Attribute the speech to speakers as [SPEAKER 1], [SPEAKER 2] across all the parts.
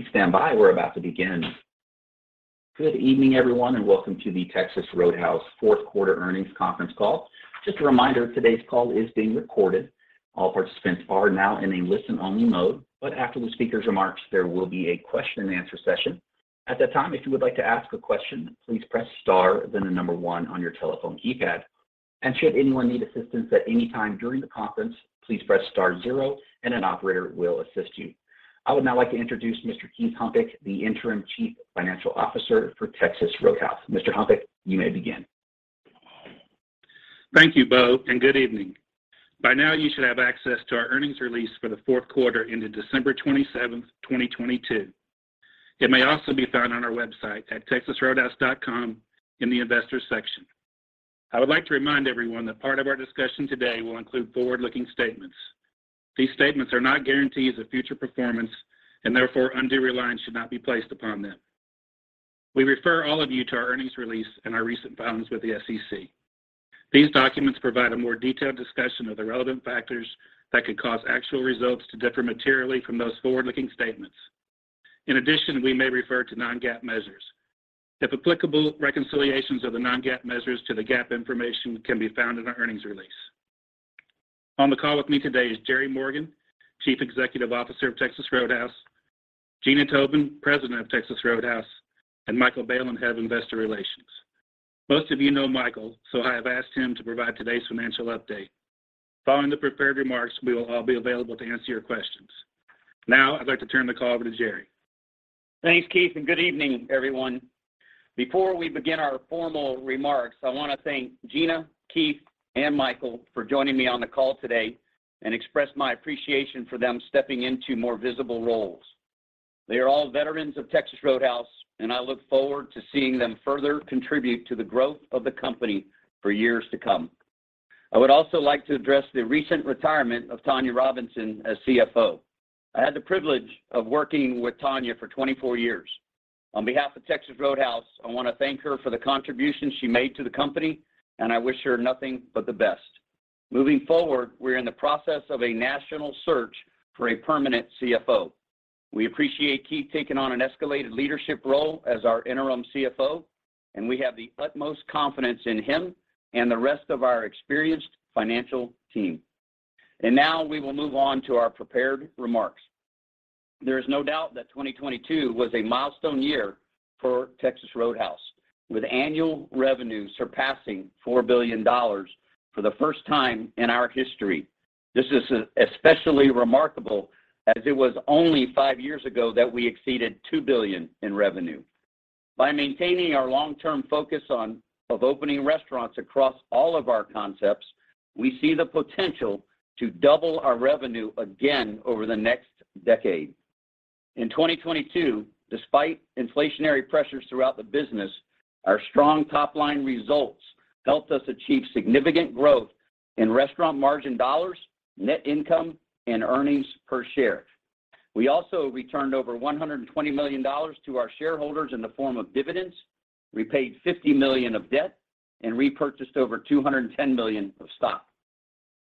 [SPEAKER 1] Please stand by. We're about to begin. Good evening, everyone. Welcome to the Texas Roadhouse fourth quarter earnings conference call. Just a reminder, today's call is being recorded. All participants are now in a listen-only mode, but after the speaker's remarks, there will be a question and answer session. At that time, if you would like to ask a question, please press star, then the 1 on your telephone keypad. Should anyone need assistance at any time during the conference, please press star zero and an operator will assist you. I would now like to introduce Mr. Keith Hauk, the Interim Chief Financial Officer for Texas Roadhouse. Mr. Hauk, you may begin.
[SPEAKER 2] Thank you, Paul, and good evening. By now you should have access to our earnings release for the fourth quarter ended December 27th, 2022. It may also be found on our website at texasroadhouse.com in the investors section. I would like to remind everyone that part of our discussion today will include forward-looking statements. These statements are not guarantees of future performance, and therefore undue reliance should not be placed upon them. We refer all of you to our earnings release and our recent filings with the SEC. These documents provide a more detailed discussion of the relevant factors that could cause actual results to differ materially from those forward-looking statements. In addition, we may refer to non-GAAP measures. If applicable, reconciliations of the non-GAAP measures to the GAAP information can be found in our earnings release. On the call with me today is Jerry Morgan, Chief Executive Officer of Texas Roadhouse, Gina Tobin, President of Texas Roadhouse, and Michael Bailen, Head of Investor Relations. Most of you know Michael, so I have asked him to provide today's financial update. Following the prepared remarks, we will all be available to answer your questions. Now I'd like to turn the call over to Jerry.
[SPEAKER 3] Thanks, Keith, and good evening, everyone. Before we begin our formal remarks, I want to thank Gina, Keith, and Michael for joining me on the call today and express my appreciation for them stepping into more visible roles. They are all veterans of Texas Roadhouse, and I look forward to seeing them further contribute to the growth of the company for years to come. I would also like to address the recent retirement of Tonya Robinson as CFO. I had the privilege of working with Tonya for 24 years. On behalf of Texas Roadhouse, I want to thank her for the contributions she made to the company, and I wish her nothing but the best. Moving forward, we're in the process of a national search for a permanent CFO. We appreciate Keith taking on an escalated leadership role as our interim CFO. We have the utmost confidence in him and the rest of our experienced financial team. Now we will move on to our prepared remarks. There is no doubt that 2022 was a milestone year for Texas Roadhouse, with annual revenue surpassing $4 billion for the first time in our history. This is especially remarkable as it was only five years ago that we exceeded 2 billion in revenue. By maintaining our long-term focus of opening restaurants across all of our concepts, we see the potential to double our revenue again over the next decade. In 2022, despite inflationary pressures throughout the business, our strong top-line results helped us achieve significant growth in restaurant margin dollars, net income, and earnings per share. We also returned over $120 million to our shareholders in the form of dividends, repaid 50 million of debt, and repurchased over 210 million of stock.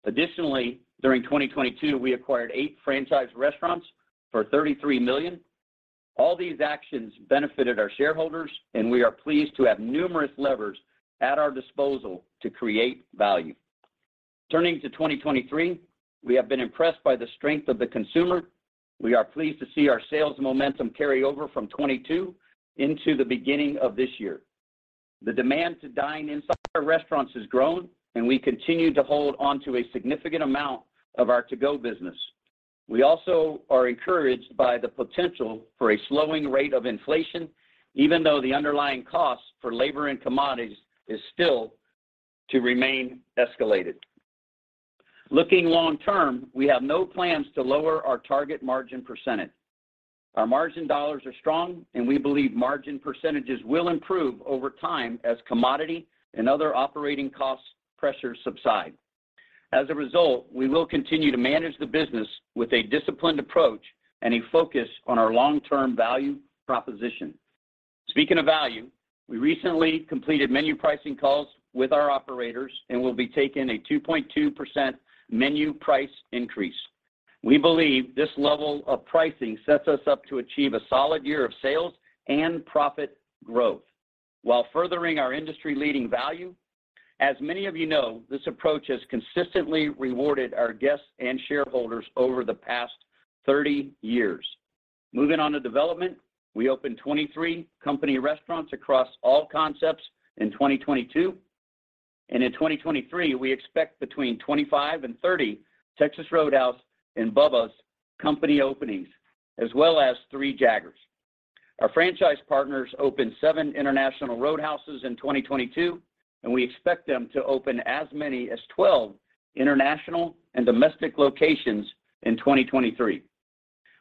[SPEAKER 3] Additionally, during 2022 we acquired eight franchise restaurants for 33 million. All these actions benefited our shareholders, and we are pleased to have numerous levers at our disposal to create value. Turning to 2023, we have been impressed by the strength of the consumer. We are pleased to see our sales momentum carry over from 2022 into the beginning of this year. The demand to dine inside our restaurants has grown, and we continue to hold onto a significant amount of our to-go business. We also are encouraged by the potential for a slowing rate of inflation, even though the underlying cost for labor and commodities is still to remain escalated. Looking long term, we have no plans to lower our target margin percentage. Our margin dollars are strong, and we believe margin percentages will improve over time as commodity and other operating cost pressures subside. As a result, we will continue to manage the business with a disciplined approach and a focus on our long-term value proposition. Speaking of value, we recently completed menu pricing calls with our operators and will be taking a 2.2% menu price increase. We believe this level of pricing sets us up to achieve a solid year of sales and profit growth while furthering our industry-leading value. As many of you know, this approach has consistently rewarded our guests and shareholders over the past 30 years. Moving on to development, we opened 23 company restaurants across all concepts in 2022. In 2023, we expect between 25 and 30 Texas Roadhouse and Bubba's company openings, as well as three Jaggers. Our franchise partners opened seven International Roadhouses in 2022. We expect them to open as many as 12 international and domestic locations in 2023.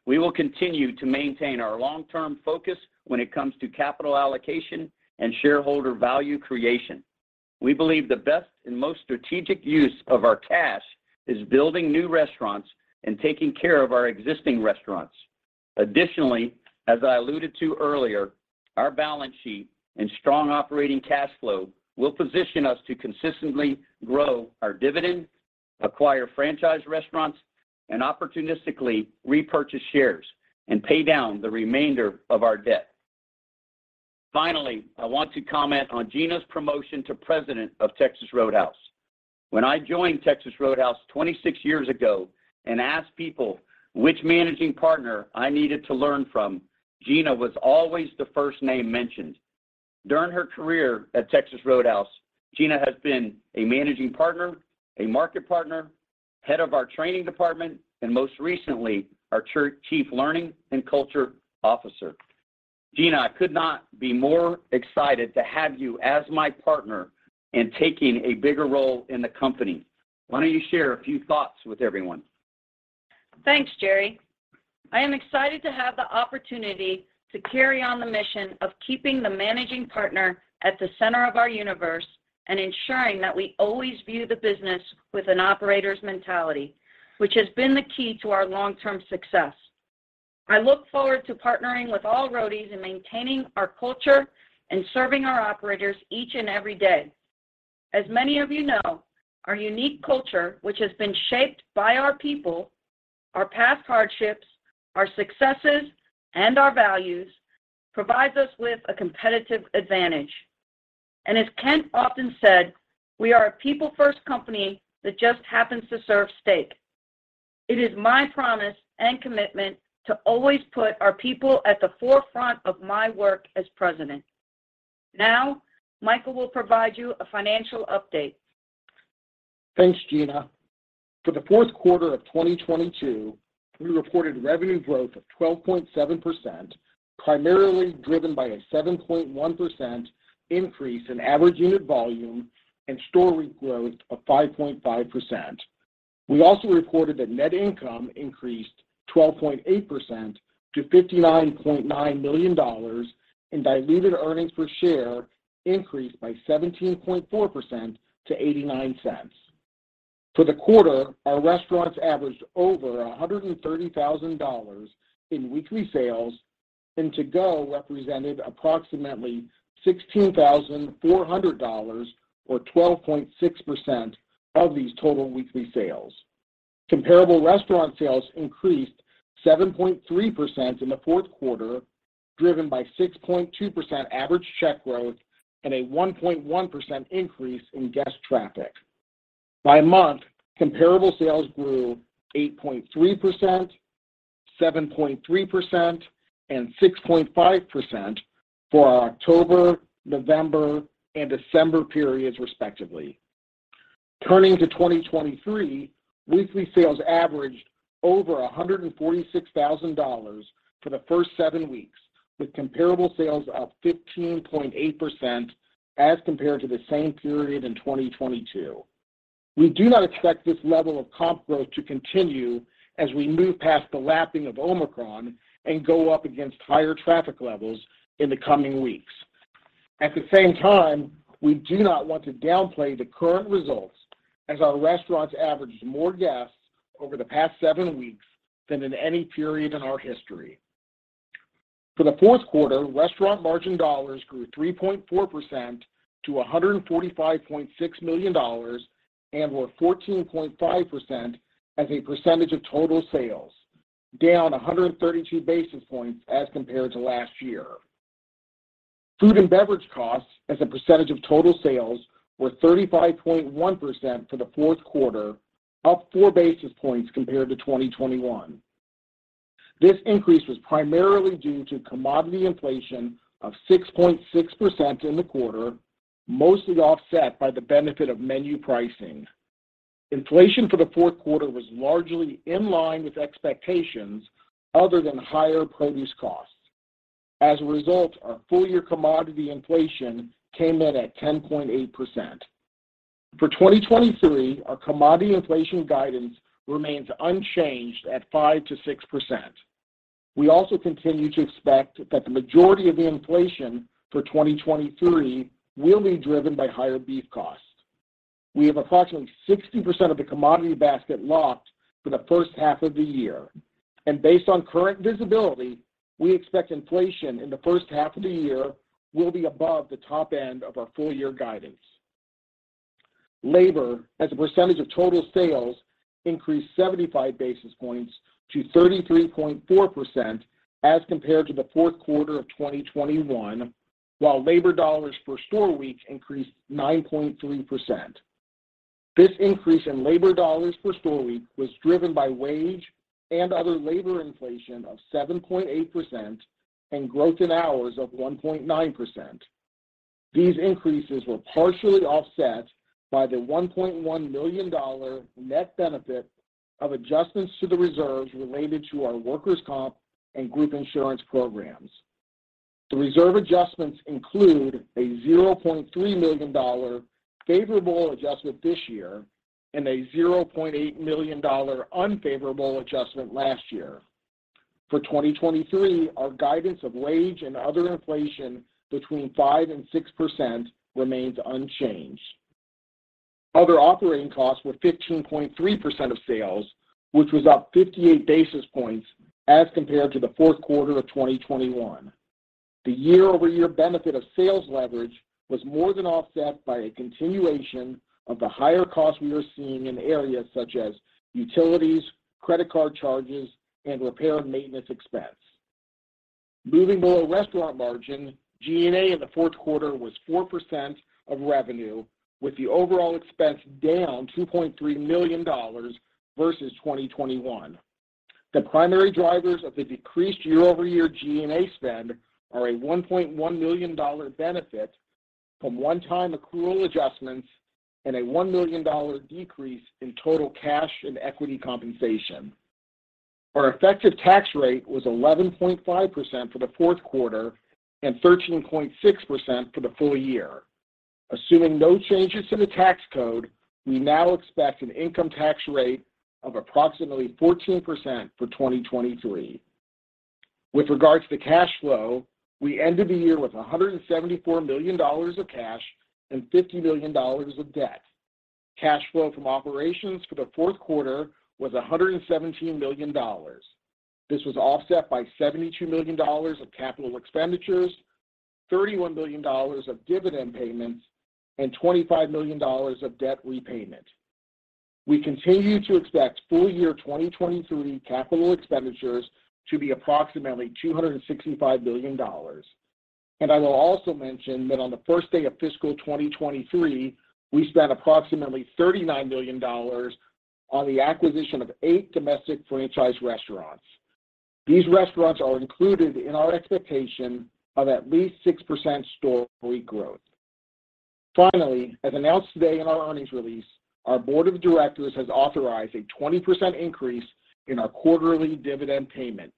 [SPEAKER 3] We will continue to maintain our long-term focus when it comes to capital allocation and shareholder value creation. We believe the best and most strategic use of our cash is building new restaurants and taking care of our existing restaurants. Additionally, as I alluded to earlier, our balance sheet and strong operating cash flow will position us to consistently grow our dividend. Acquire franchise restaurants, and opportunistically repurchase shares and pay down the remainder of our debt. I want to comment on Gina's promotion to President of Texas Roadhouse. When I joined Texas Roadhouse 26 years ago and asked people which managing partner I needed to learn from, Gina was always the first name mentioned. During her career at Texas Roadhouse, Gina has been a managing partner, a market partner, head of our training department, and most recently, our chief learning and culture officer. Gina, I could not be more excited to have you as my partner in taking a bigger role in the company. Why don't you share a few thoughts with everyone?
[SPEAKER 4] Thanks, Jerry. I am excited to have the opportunity to carry on the mission of keeping the managing partner at the center of our universe and ensuring that we always view the business with an operator's mentality, which has been the key to our long-term success. I look forward to partnering with all Roadies in maintaining our culture and serving our operators each and every day. Many of you know, our unique culture, which has been shaped by our people, our past hardships, our successes, and our values, provides us with a competitive advantage. As Kent often said, we are a people first company that just happens to serve steak. It is my promise and commitment to always put our people at the forefront of my work as President. Michael will provide you a financial update.
[SPEAKER 5] Thanks, Gina. For the fourth quarter of 2022, we reported revenue growth of 12.7%, primarily driven by a 7.1% increase in average unit volume and Store-Week Growth of 5.5%. We also reported that net income increased 12.8% to $59.9 million and diluted earnings per share increased by 17.4% to 0.89. For the quarter, our restaurants averaged over $130,000 in weekly sales, and to-go represented approximately $16,400 or 12.6% of these total weekly sales. Comparable Restaurant Sales increased 7.3% in the fourth quarter, driven by 6.2% average check growth and a 1.1% increase in guest traffic. By month, comparable sales grew 8.3%, 7.3%, and 6.5% for our October, November, and December periods, respectively. Turning to 2023, weekly sales averaged over $146,000 for the first seven weeks, with comparable sales up 15.8% as compared to the same period in 2022. We do not expect this level of comp growth to continue as we move past the lapping of Omicron and go up against higher traffic levels in the coming weeks. At the same time, we do not want to downplay the current results as our restaurants averaged more guests over the past seven weeks than in any period in our history. For the fourth quarter, restaurant margin dollars grew 3.4% to $145.6 million and were 14.5% as a percentage of total sales, down 132 basis points as compared to last year. Food and beverage costs as a percentage of total sales were 35.1% for the fourth quarter, up 4 basis points compared to 2021. This increase was primarily due to commodity inflation of 6.6% in the quarter, mostly offset by the benefit of menu pricing. Inflation for the fourth quarter was largely in line with expectations other than higher produce costs. As a result, our full year commodity inflation came in at 10.8%. For 2023, our commodity inflation guidance remains unchanged at 5%-6%. We also continue to expect that the majority of the inflation for 2023 will be driven by higher beef costs. We have approximately 60% of the commodity basket locked for the first half of the year, and based on current visibility, we expect inflation in the first half of the year will be above the top end of our full year guidance. Labor as a percentage of total sales increased 75 basis points to 33.4% as compared to the fourth quarter of 2021, while labor dollars per Store-Week increased 9.3%. This increase in labor dollars per Store-Week was driven by wage and other labor inflation of 7.8% and growth in hours of 1.9%. These increases were partially offset by the $1.1 million net benefit of adjustments to the reserves related to our Workers' Comp and group insurance programs. The reserve adjustments include a $0.3 million favorable adjustment this year and a $0.8 million unfavorable adjustment last year. For 2023, our guidance of wage and other inflation between 5% and 6% remains unchanged. Other operating costs were 15.3% of sales, which was up 58 basis points as compared to the fourth quarter of 2021. The year-over-year benefit of sales leverage was more than offset by a continuation of the higher costs we are seeing in areas such as utilities, credit card charges, and repair and maintenance expense. Moving to our restaurant margin, G&A in the fourth quarter was 4% of revenue, with the overall expense down $2.3 million versus 2021. The primary drivers of the decreased year-over-year G&A spend are a $1.1 million benefit from one-time accrual adjustments and a $1 million decrease in total cash and equity compensation. Our effective tax rate was 11.5% for the fourth quarter and 13.6% for the full year. Assuming no changes to the tax code, we now expect an income tax rate of approximately 14% for 2023. With regards to cash flow, we ended the year with $174 million of cash and $50 million of debt. Cash flow from operations for the fourth quarter was $117 million. This was offset by $72 million of capital expenditures, $31 million of dividend payments, and $25 million of debt repayment. We continue to expect full year 2023 capital expenditures to be approximately $265 million. I will also mention that on the first day of fiscal 2023, we spent approximately $39 million on the acquisition of eight domestic franchise restaurants. These restaurants are included in our expectation of at least 6% Store-Week Growth. Finally, as announced today in our earnings release, our board of directors has authorized a 20% increase in our quarterly dividend payment,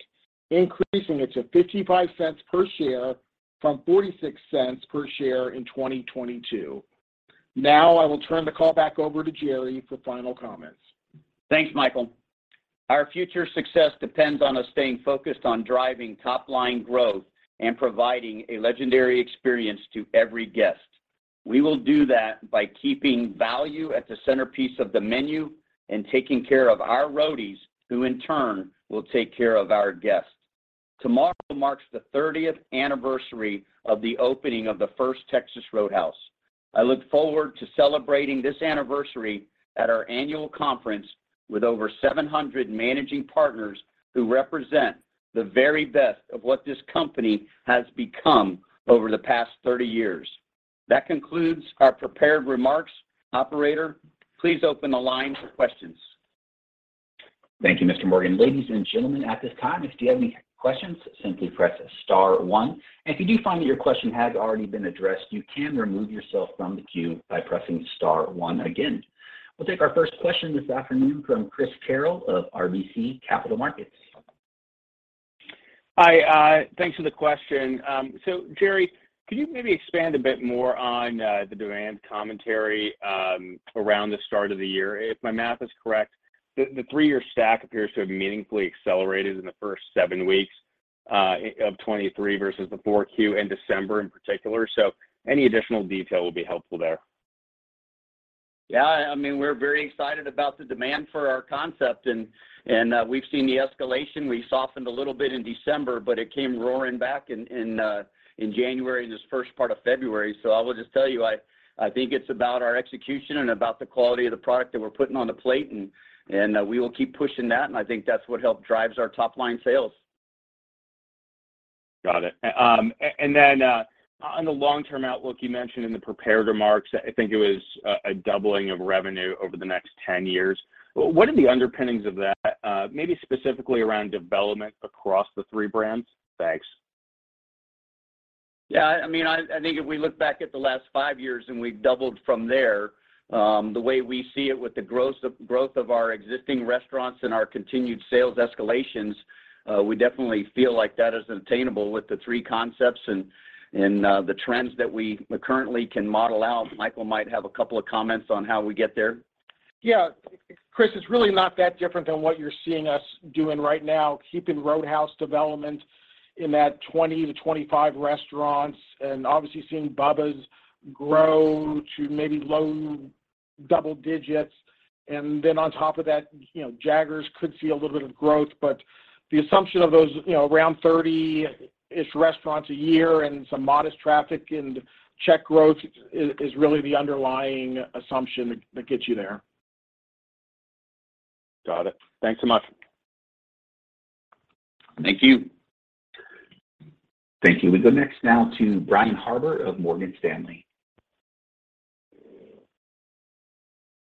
[SPEAKER 5] increasing it to $0.55 per share from $0.46 per share in 2022. Now, I will turn the call back over to Jerry for final comments.
[SPEAKER 3] Thanks, Michael. Our future success depends on us staying focused on driving top-line growth and providing a legendary experience to every guest. We will do that by keeping value at the centerpiece of the menu and taking care of our Roadies, who in turn will take care of our guests. Tomorrow marks the 30th anniversary of the opening of the first Texas Roadhouse. I look forward to celebrating this anniversary at our annual conference with over 700 managing partners who represent the very best of what this company has become over the past 30 years. That concludes our prepared remarks. Operator, please open the line for questions.
[SPEAKER 1] Thank you, Mr. Morgan. Ladies and gentlemen, at this time, if you have any questions, simply press star one. If you do find that your question has already been addressed, you can remove yourself from the queue by pressing star one again. We'll take our first question this afternoon from Chris Carril of RBC Capital Markets.
[SPEAKER 6] Hi, thanks for the question. Jerry, could you maybe expand a bit more on the demand commentary around the start of the year? If my math is correct, the three-year stack appears to have meaningfully accelerated in the first seven weeks of 2023 versus the 4Q in December in particular. Any additional detail will be helpful there.
[SPEAKER 3] Yeah, I mean, we're very excited about the demand for our concept and we've seen the escalation. We softened a little bit in December, it came roaring back in January, this first part of February. I will just tell you, I think it's about our execution and about the quality of the product that we're putting on the plate, and we will keep pushing that, I think that's what help drives our top line sales.
[SPEAKER 6] Got it. And then, on the long-term outlook, you mentioned in the prepared remarks, I think it was a doubling of revenue over the next 10 years. What are the underpinnings of that, maybe specifically around development across the three brands? Thanks.
[SPEAKER 3] I mean, I think if we look back at the last five years and we've doubled from there, the way we see it with the growth of our existing restaurants and our continued sales escalations, we definitely feel like that is attainable with the three concepts and the trends that we currently can model out. Michael might have a couple of comments on how we get there.
[SPEAKER 5] Chris, it's really not that different than what you're seeing us doing right now, keeping Roadhouse development in that 20-25 restaurants and obviously seeing Bubba's grow to maybe low double digits. On top of that, you know, Jaggers could see a little bit of growth. The assumption of those, you know, around 30-ish restaurants a year and some modest traffic and check growth is really the underlying assumption that gets you there.
[SPEAKER 6] Got it. Thanks so much.
[SPEAKER 1] Thank you. Thank you. We go next now to Brian Harbour of Morgan Stanley.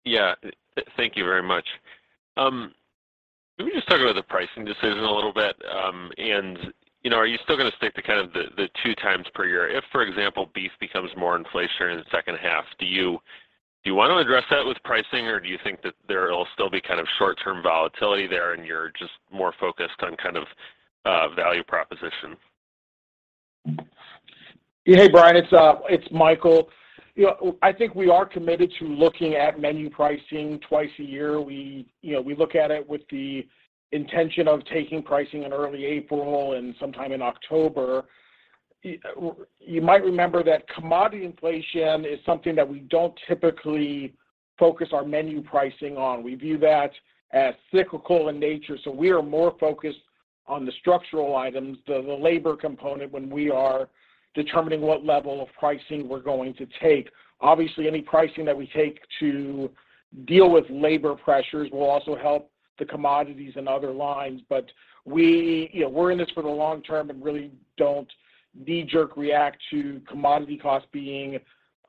[SPEAKER 7] Yeah. Thank you very much. Can we just talk about the pricing decision a little bit? You know, are you still going to stick to kind of the two times per year? If, for example, beef becomes more inflationary in the second half, do you want to address that with pricing, or do you think that there will still be kind of short-term volatility there and you're just more focused on kind of, value proposition?
[SPEAKER 5] Hey, Brian, it's Michael. You know, I think we are committed to looking at menu pricing twice a year. We, you know, we look at it with the intention of taking pricing in early April and sometime in October. You might remember that commodity inflation is something that we don't typically focus our menu pricing on. We view that as cyclical in nature, so we are more focused on the structural items, the labor component when we are determining what level of pricing we're going to take. Obviously, any pricing that we take to deal with labor pressures will also help the commodities and other lines. We, you know, we're in this for the long term and really don't knee-jerk react to commodity costs being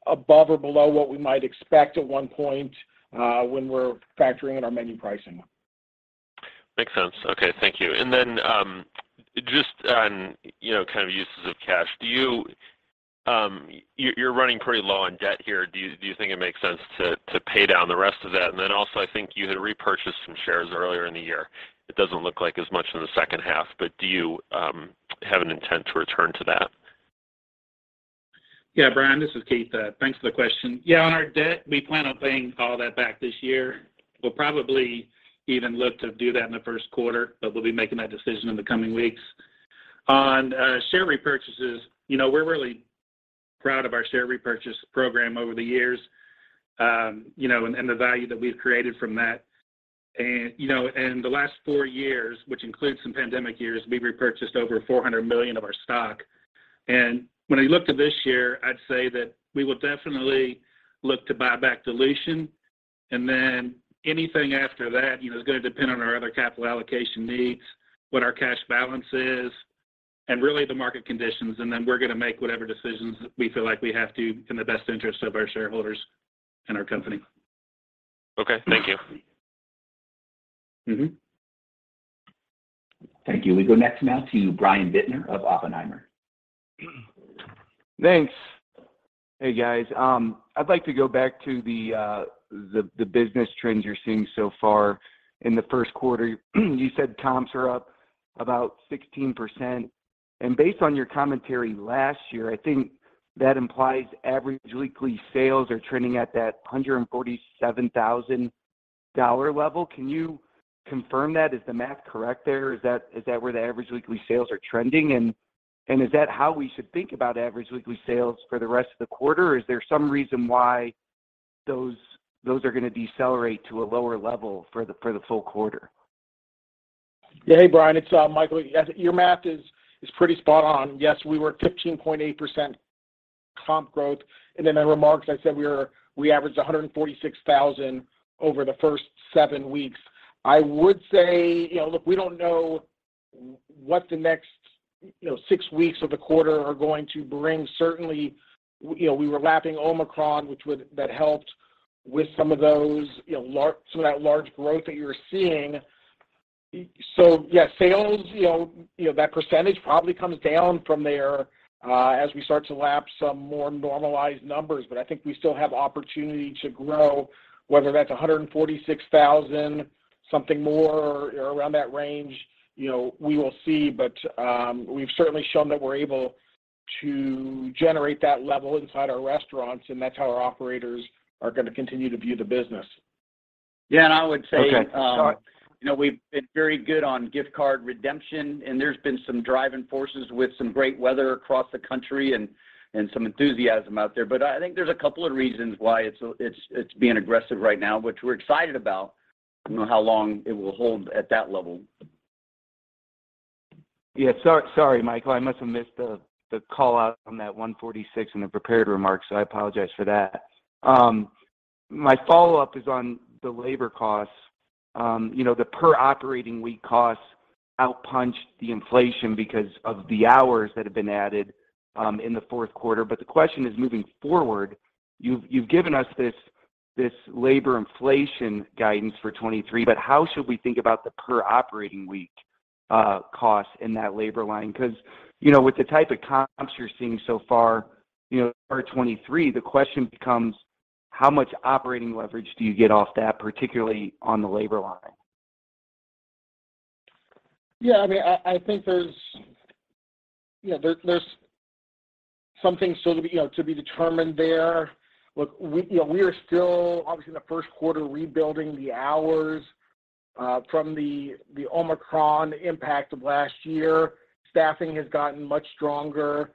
[SPEAKER 5] above or below what we might expect at one point, when we're factoring in our menu pricing.
[SPEAKER 7] Makes sense. Okay, thank you. Just on, you know, kind of uses of cash. Do you're running pretty low on debt here. Do you think it makes sense to pay down the rest of that? Also, I think you had repurchased some shares earlier in the year. It doesn't look like as much in the second half, but do you, have an intent to return to that?
[SPEAKER 2] Brian, this is Keith. Thanks for the question. On our debt, we plan on paying all that back this year. We'll probably even look to do that in the first quarter, but we'll be making that decision in the coming weeks. On share repurchases, you know, we're really proud of our share repurchase program over the years, you know, and the value that we've created from that. You know, in the last four years, which includes some pandemic years, we've repurchased over $400 million of our stock. When I look to this year, I'd say that we will definitely look to buy back dilution, and then anything after that, you know, is gonna depend on our other capital allocation needs, what our cash balance is, and really the market conditions, and then we're gonna make whatever decisions we feel like we have to in the best interest of our shareholders and our company.
[SPEAKER 7] Okay. Thank you.
[SPEAKER 2] Mm-hmm.
[SPEAKER 1] Thank you. We go next now to Brian Bittner of Oppenheimer.
[SPEAKER 8] Thanks. Hey, guys. I'd like to go back to the business trends you're seeing so far in the first quarter. You said comps are up about 16%. Based on your commentary last year, I think that implies average weekly sales are trending at that $147,000 level. Can you confirm that? Is the math correct there? Is that where the average weekly sales are trending? Is that how we should think about average weekly sales for the rest of the quarter, or is there some reason why those are going to decelerate to a lower level for the full quarter?
[SPEAKER 5] Hey, Brian, it's Michael. Yes, your math is pretty spot on. Yes, we were at 15.8% comp growth, and in my remarks I said we averaged 146,000 over the first seven weeks. I would say, you know, look, we don't know what the next, you know, six weeks of the quarter are going to bring. Certainly, you know, we were lapping Omicron, which helped with some of those, you know, some of that large growth that you're seeing. Yeah, sales, you know, that percentage probably comes down from there as we start to lap some more normalized numbers. I think we still have opportunity to grow, whether that's 146,000, something more or around that range, you know, we will see. We've certainly shown that we're able to generate that level inside our restaurants, and that's how our operators are gonna continue to view the business.
[SPEAKER 2] Yeah, I would say.
[SPEAKER 8] Okay. Sorry
[SPEAKER 2] you know, we've been very good on gift card redemption, and there's been some driving forces with some great weather across the country and some enthusiasm out there. I think there's a couple of reasons why it's being aggressive right now, which we're excited about. Don't know how long it will hold at that level.
[SPEAKER 8] Sorry, Michael, I must have missed the call-out on that 146 in the prepared remarks. I apologize for that. My follow-up is on the labor costs. You know, the per operating week costs outpunched the inflation because of the hours that have been added in the fourth quarter. The question is, moving forward, you've given us this labor inflation guidance for 2023. How should we think about the per operating week cost in that labor line? You know, with the type of comps you're seeing so far, you know, in 2023, the question becomes how much operating leverage do you get off that, particularly on the labor line?
[SPEAKER 5] I mean, I think there's, you know, there's something still to be, you know, to be determined there. We, you know, we are still obviously in the first quarter rebuilding the hours from the Omicron impact of last year. Staffing has gotten much stronger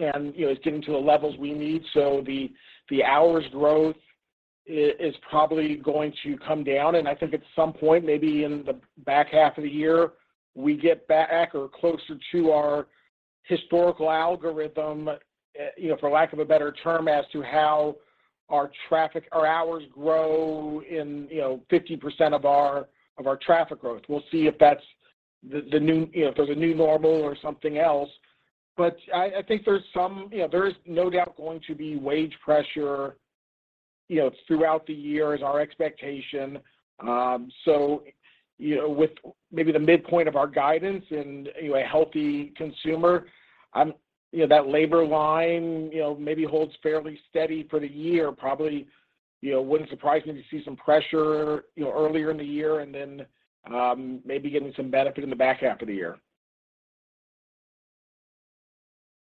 [SPEAKER 5] and, you know, is getting to the levels we need. The hours growth is probably going to come down, and I think at some point, maybe in the back half of the year, we get back or closer to our historical algorithm, you know, for lack of a better term, as to how our traffic or hours grow in, you know, 50% of our traffic growth. We'll see if that's the new, you know, if there's a new normal or something else. I think there's some, you know, there is no doubt going to be wage pressure, you know, throughout the year is our expectation. You know, with maybe the midpoint of our guidance and, you know, a healthy consumer, you know, that labor line, you know, maybe holds fairly steady for the year. Probably, you know, wouldn't surprise me to see some pressure, you know, earlier in the year and then, maybe getting some benefit in the back half of the year.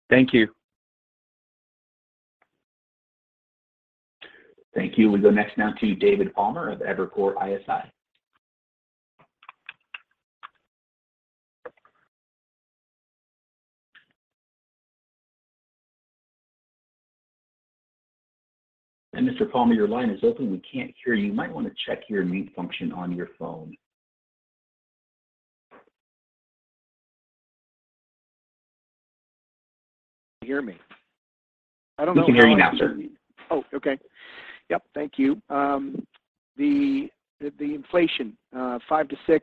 [SPEAKER 8] Thank you.
[SPEAKER 1] Thank you. We go next now to David Palmer of Evercore ISI. Mr. Palmer, your line is open. We can't hear you. You might want to check your mute function on your phone.
[SPEAKER 9] Can you hear me? I don't know.
[SPEAKER 1] We can hear you now, sir.
[SPEAKER 9] Okay. Yep. Thank you. The inflation, 5%-6%,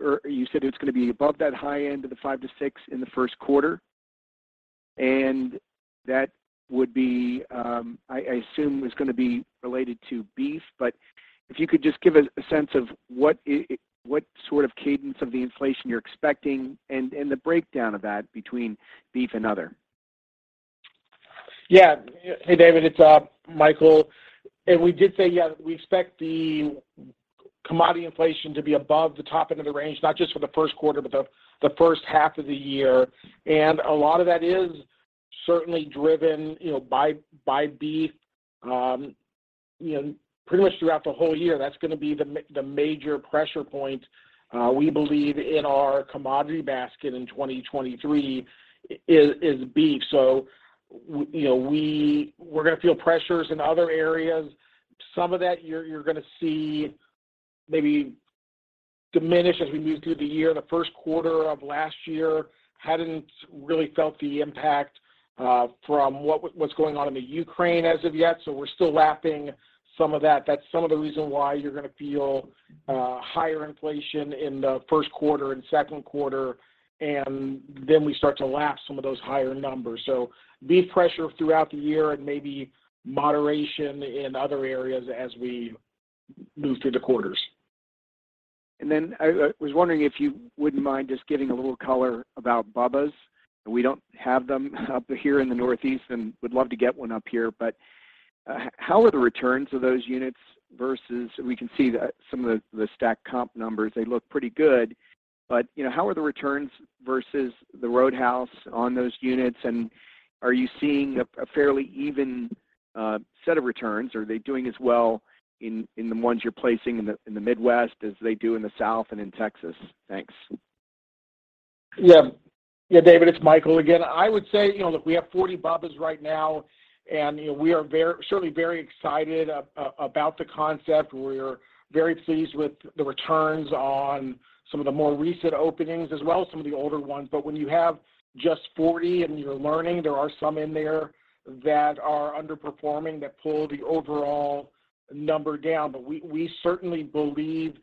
[SPEAKER 9] or you said it's gonna be above that high end of the 5%-6% in the first quarter. That would be, I assume is gonna be related to beef. If you could just give a sense of what sort of cadence of the inflation you're expecting and the breakdown of that between beef and other.
[SPEAKER 5] Yeah. Hey, David, it's Michael. We did say, yeah, we expect the commodity inflation to be above the top end of the range, not just for the first quarter, but the first half of the year. A lot of that is certainly driven, you know, by beef. You know, pretty much throughout the whole year, that's gonna be the major pressure point we believe in our commodity basket in 2023 is beef. You know, we're gonna feel pressures in other areas. Some of that you're gonna see maybe diminish as we move through the year. The first quarter of last year hadn't really felt the impact from what was going on in Ukraine as of yet, so we're still lapping some of that. That's some of the reason why you're gonna feel higher inflation in the first quarter and second quarter, and then we start to lap some of those higher numbers. Beef pressure throughout the year and maybe moderation in other areas as we move through the quarters.
[SPEAKER 9] I was wondering if you wouldn't mind just giving a little color about Bubba's. We don't have them up here in the Northeast, and would love to get one up here. How are the returns of those units versus. We can see some of the stack comp numbers. They look pretty good. You know, how are the returns versus the Roadhouse on those units, and are you seeing a fairly even set of returns? Are they doing as well in the ones you're placing in the Midwest as they do in the South and in Texas? Thanks.
[SPEAKER 5] Yeah. Yeah, David, it's Michael again. I would say, you know, look, we have 40 Bubba's right now, you know, we are certainly very excited about the concept. We're very pleased with the returns on some of the more recent openings as well as some of the older ones. When you have just 40 and you're learning, there are some in there that are underperforming that pull the overall number down. We certainly believe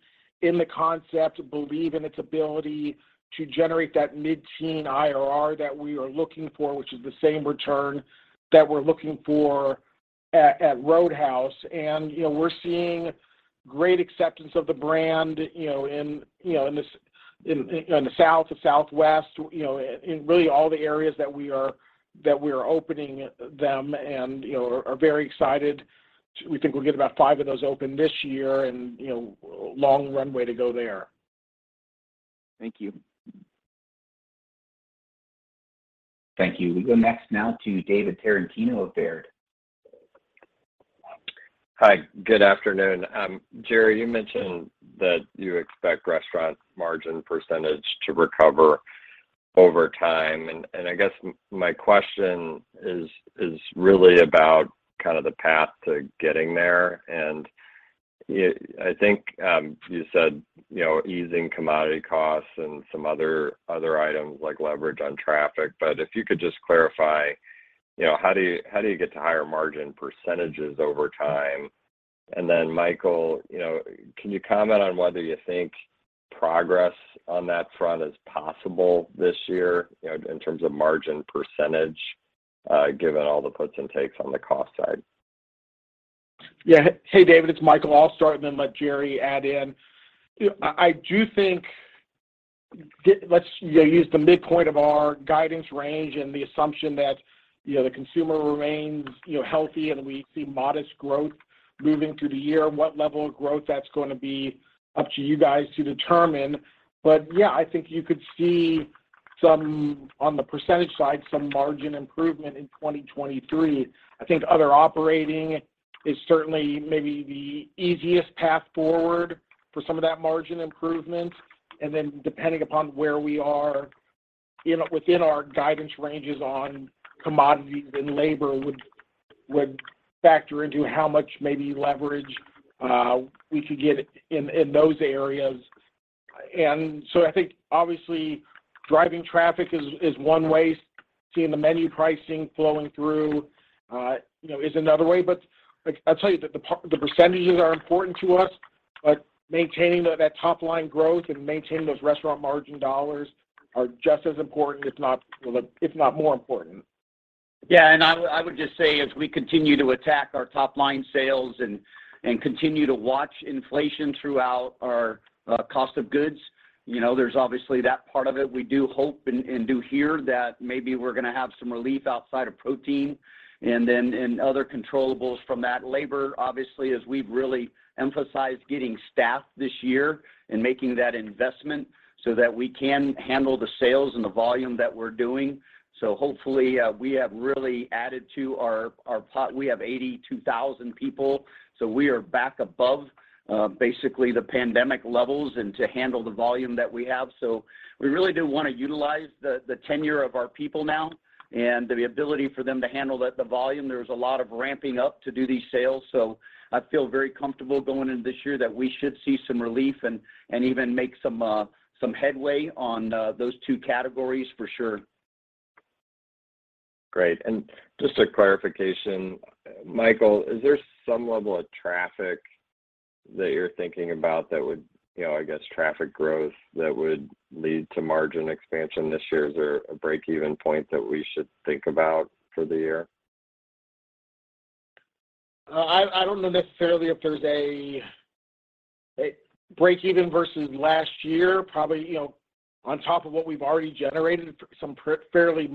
[SPEAKER 5] in the concept, believe in its ability to generate that mid-teen IRR that we are looking for, which is the same return that we're looking for at Roadhouse. You know, we're seeing great acceptance of the brand, you know, in, you know, in the South to Southwest, you know, in really all the areas that we are opening them and, you know, are very excited. We think we'll get about five of those open this year and, you know, long runway to go there.
[SPEAKER 9] Thank you.
[SPEAKER 1] Thank you. We go next now to David Tarantino of Baird.
[SPEAKER 10] Hi, good afternoon. Jerry, you mentioned that you expect restaurant margin percentage to recover over time, I guess my question is really about kind of the path to getting there. I think, you said, you know, easing commodity costs and some other items like leverage on traffic. If you could just clarify, you know, how do you get to higher margin percentages over time? Michael, you know, can you comment on whether you think progress on that front is possible this year, you know, in terms of margin percentage, given all the puts and takes on the cost side?
[SPEAKER 5] Yeah. Hey, David, it's Michael. I'll start and then let Jerry add in. You know, I do think let's, you know, use the midpoint of our guidance range and the assumption that, you know, the consumer remains, you know, healthy and we see modest growth moving through the year. What level of growth, that's gonna be up to you guys to determine. Yeah, I think you could see some, on the percentage side, some margin improvement in 2023. I think other operating is certainly maybe the easiest path forward for some of that margin improvement. Then depending upon where we are within our guidance ranges on commodities and labor would factor into how much maybe leverage we could get in those areas. So I think obviously driving traffic is one way. Seeing the menu pricing flowing through, you know, is another way. But like I tell you, the percentages are important to us, but maintaining that top line growth and maintaining those restaurant margin dollars are just as important if not more important.
[SPEAKER 9] I would just say as we continue to attack our top line sales and continue to watch inflation throughout our cost of goods, you know, there's obviously that part of it we do hope and do hear that maybe we're gonna have some relief outside of protein and then in other controllables from that. Labor, obviously, as we've really emphasized getting staffed this year and making that investment so that we can handle the sales and the volume that we're doing. Hopefully, we have really added to our po- we have 82,000 people, so we are back above.
[SPEAKER 3] Basically the pandemic levels and to handle the volume that we have. We really do want to utilize the tenure of our people now and the ability for them to handle the volume. There was a lot of ramping up to do these sales, I feel very comfortable going into this year that we should see some relief and even make some headway on those two categories for sure.
[SPEAKER 10] Great. Just a clarification, Michael, is there some level of traffic that you're thinking about, you know, I guess, traffic growth that would lead to margin expansion this year? Is there a break-even point that we should think about for the year?
[SPEAKER 5] I don't know necessarily if there's a break even versus last year. Probably, you know, on top of what we've already generated, some fairly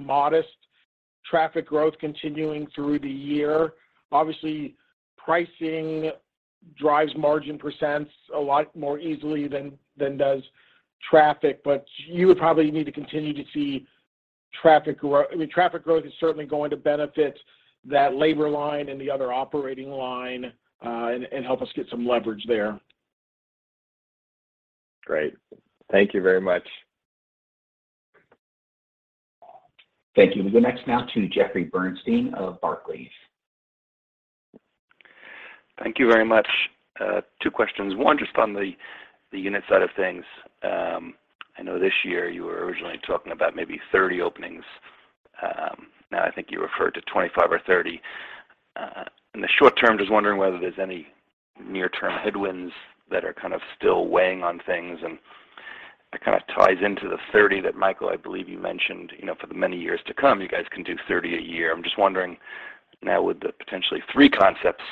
[SPEAKER 5] modest traffic growth continuing through the year. Obviously, pricing drives margin % a lot more easily than does traffic. You would probably need to continue to see traffic grow. I mean, traffic growth is certainly going to benefit that labor line and the other operating line, and help us get some leverage there.
[SPEAKER 10] Great. Thank you very much.
[SPEAKER 1] Thank you. We go next now to Jeffrey Bernstein of Barclays.
[SPEAKER 11] Thank you very much. Two questions. One, just on the unit side of things. I know this year you were originally talking about maybe 30 openings. Now I think you referred to 25 or 30. In the short term, just wondering whether there's any near-term headwinds that are kind of still weighing on things, and that kind of ties into the 30 that, Michael, I believe you mentioned. You know, for the many years to come, you guys can do 30 a year. I'm just wondering now with the potentially three concepts,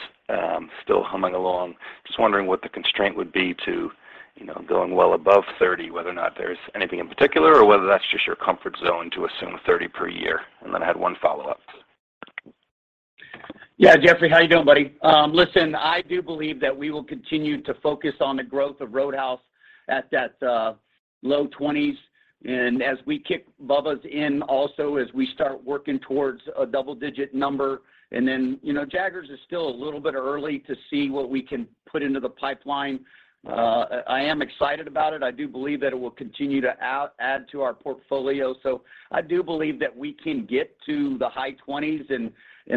[SPEAKER 11] still humming along, just wondering what the constraint would be to, you know, going well above 30, whether or not there's anything in particular or whether that's just your comfort zone to assume 30 per year. I had one follow-up.
[SPEAKER 3] Yeah. Jeffrey, how you doing, buddy? Listen, I do believe that we will continue to focus on the growth of Texas Roadhouse at that low 20s and as we kick Bubba's 33 in also as we start working towards a double-digit number. You know, Jaggers is still a little bit early to see what we can put into the pipeline. I am excited about it. I do believe that it will continue to out- add to our portfolio. I do believe that we can get to the high 20s and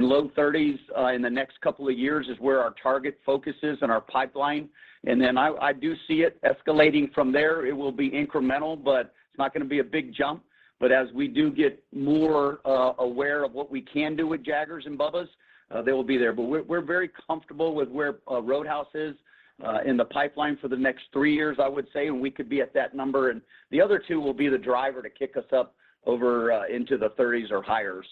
[SPEAKER 3] low 30s in the next couple of years is where our target focus is and our pipeline. I do see it escalating from there. It will be incremental, but it's not going to be a big jump. As we do get more aware of what we can do with Jaggers and Bubba's, they will be there. We're very comfortable with where Roadhouse is in the pipeline for the next three years, I would say, and we could be at that number, and the other two will be the driver to kick us up over into the 30s or higher.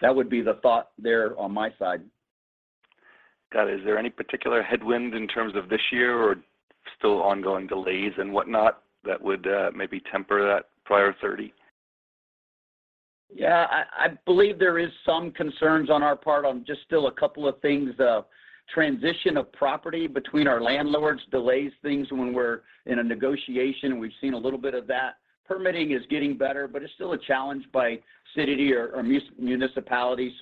[SPEAKER 3] That would be the thought there on my side.
[SPEAKER 11] Got it. Is there any particular headwind in terms of this year or still ongoing delays and whatnot that would, maybe temper that prior 30?
[SPEAKER 3] Yeah, I believe there is some concerns on our part on just still a couple of things. The transition of property between our landlords delays things when we're in a negotiation, and we've seen a little bit of that. Permitting is getting better, but it's still a challenge by city or municipality.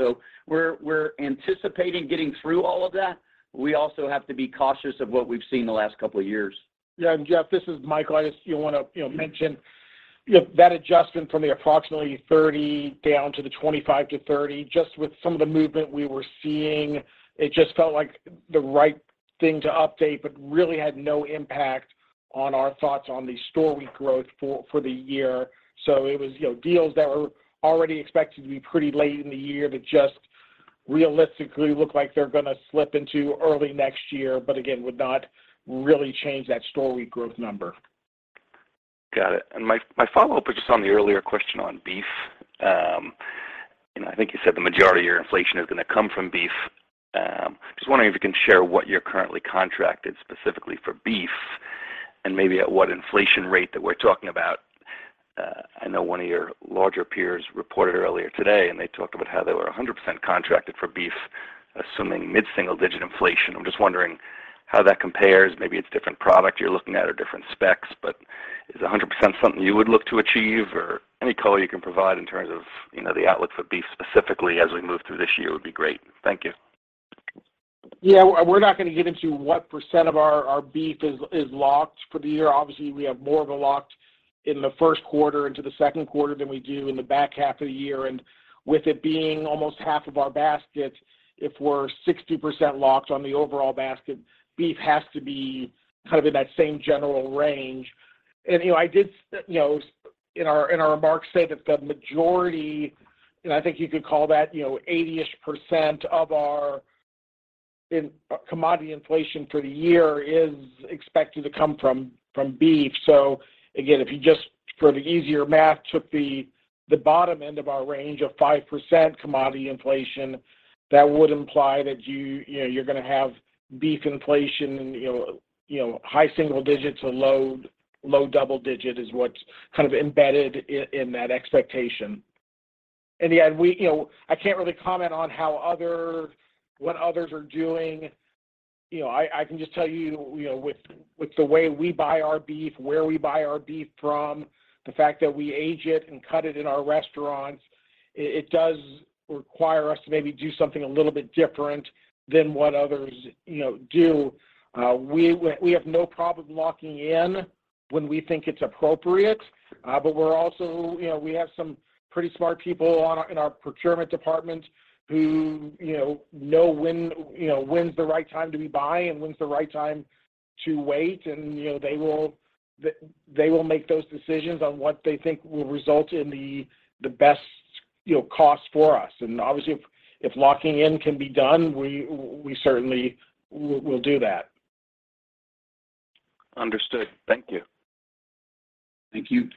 [SPEAKER 3] We're anticipating getting through all of that. We also have to be cautious of what we've seen the last couple of years.
[SPEAKER 5] Yeah. Jeff, this is Michael. I just still want to, you know, mention. That adjustment from the approximately 30 down to the 25-30, just with some of the movement we were seeing, it just felt like the right thing to update, but really had no impact on our thoughts on the Store-Week Growth for the year. It was, you know, deals that were already expected to be pretty late in the year that just realistically look like they're gonna slip into early next year, but again, would not really change that Store-Week Growth number.
[SPEAKER 11] Got it. My follow-up was just on the earlier question on beef. You know, I think you said the majority of your inflation is gonna come from beef. Just wondering if you can share what you're currently contracted specifically for beef and maybe at what inflation rate that we're talking about. I know one of your larger peers reported earlier today, and they talked about how they were 100% contracted for beef, assuming mid-single digit inflation. I'm just wondering how that compares. Maybe it's different product you're looking at or different specs, but is 100% something you would look to achieve? Any color you can provide in terms of, you know, the outlook for beef specifically as we move through this year would be great. Thank you.
[SPEAKER 5] Yeah. We're not gonna get into what percent of our beef is locked for the year. Obviously, we have more of it locked in the first quarter into the second quarter than we do in the back half of the year. With it being almost half of our basket, if we're 60% locked on the overall basket, beef has to be kind of in that same general range. You know, I did, you know, in our, in our remarks say that the majority, you know, I think you could call that, you know, 80%-ish of our Commodity inflation for the year is expected to come from beef. Again, if you just, for the easier math, took the bottom end of our range of 5% commodity inflation, that would imply that you know, you're going to have beef inflation, you know, you know, high single digits or low, low double digit is what's kind of embedded in that expectation. You know, I can't really comment on what others are doing. You know, I can just tell you know, With the way we buy our beef, where we buy our beef from, the fact that we age it and cut it in our restaurants, it does require us to maybe do something a little bit different than what others, you know, do. We have no problem locking in when we think it's appropriate, but we're also. You know, we have some pretty smart people in our procurement department who, you know when, you know, when's the right time to rebuy and when's the right time to wait, and, you know, they will make those decisions on what they think will result in the best, you know, cost for us. Obviously if locking in can be done, we certainly will do that.
[SPEAKER 6] Understood. Thank you.
[SPEAKER 5] Thank you.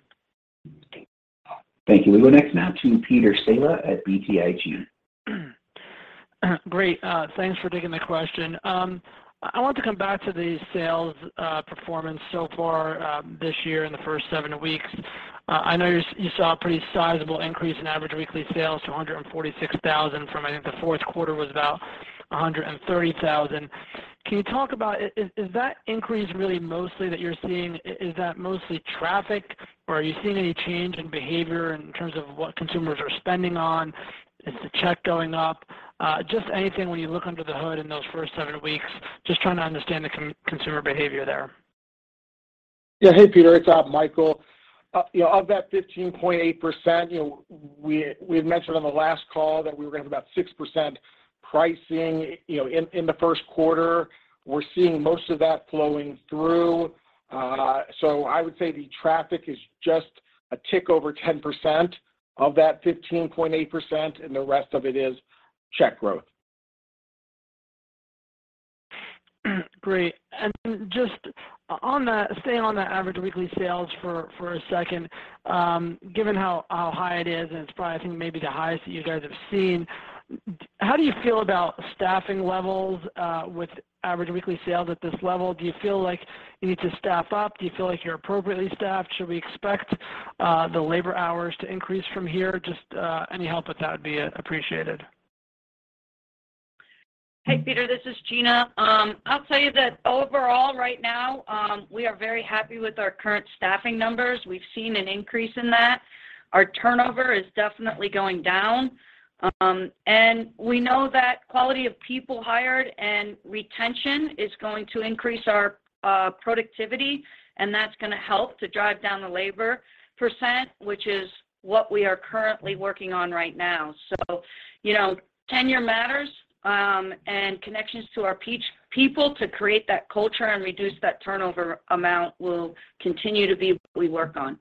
[SPEAKER 1] Thank you. We go next now to Peter Saleh at BTIG.
[SPEAKER 12] Great. Thanks for taking the question. I want to come back to the sales performance so far this year in the first seven weeks. I know you saw a pretty sizable increase in average weekly sales to 146,000 from, I think, the fourth quarter was about 130,000. Can you talk about is that increase really mostly that you're seeing, is that mostly traffic, or are you seeing any change in behavior in terms of what consumers are spending on? Is the check going up? Just anything when you look under the hood in those first seven weeks, just trying to understand the consumer behavior there?
[SPEAKER 5] Hey, Peter, it's Michael. You know, of that 15.8%, you know, we had mentioned on the last call that we were gonna have about 6% pricing, you know, in the first quarter. We're seeing most of that flowing through. I would say the traffic is just a tick over 10% of that 15.8%, and the rest of it is check growth.
[SPEAKER 12] Great. Just on the staying on the average weekly sales for a second, given how high it is, and it's probably, I think maybe the highest that you guys have seen, how do you feel about staffing levels with average weekly sales at this level? Do you feel like you need to staff up? Do you feel like you're appropriately staffed? Should we expect the labor hours to increase from here? Just any help with that would be appreciated.
[SPEAKER 4] Hey, Peter, this is Gina. I'll tell you that overall right now, we are very happy with our current staffing numbers. We've seen an increase in that. Our turnover is definitely going down. We know that quality of people hired and retention is going to increase our productivity, and that's gonna help to drive down the labor percent, which is what we are currently working on right now. You know, tenure matters, and connections to our people to create that culture and reduce that turnover amount will continue to be what we work on.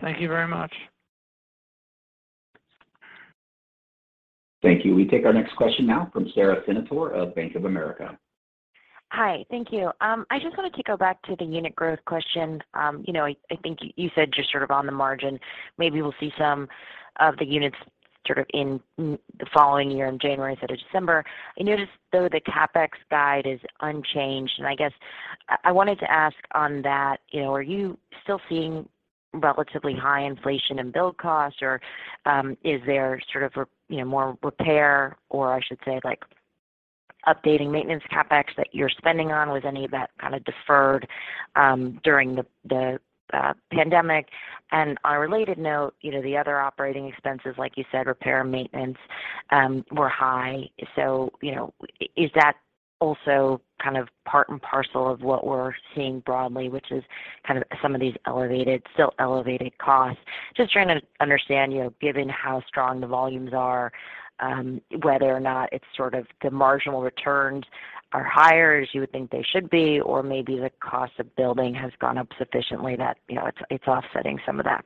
[SPEAKER 12] Thank you very much.
[SPEAKER 1] Thank you. We take our next question now from Sara Senatore of Bank of America.
[SPEAKER 13] Hi. Thank you. I just wanted to go back to the unit growth question. You know, I think you said just sort of on the margin, maybe we'll see some of the units sort of in the following year in January instead of December. I noticed though the CapEx guide is unchanged, and I guess I wanted to ask on that, you know, are you still seeing relatively high inflation in build costs? Is there sort of a, you know, more repair or I should say like updating maintenance CapEx that you're spending on? Was any of that kind of deferred during the pandemic? You know, the other operating expenses, like you said, repair and maintenance, were high. You know, is that also kind of part and parcel of what we're seeing broadly, which is kind of some of these elevated, still elevated costs? Just trying to understand, you know, given how strong the volumes are, whether or not it's sort of the marginal returns are higher as you would think they should be, or maybe the cost of building has gone up sufficiently that, you know, it's offsetting some of that.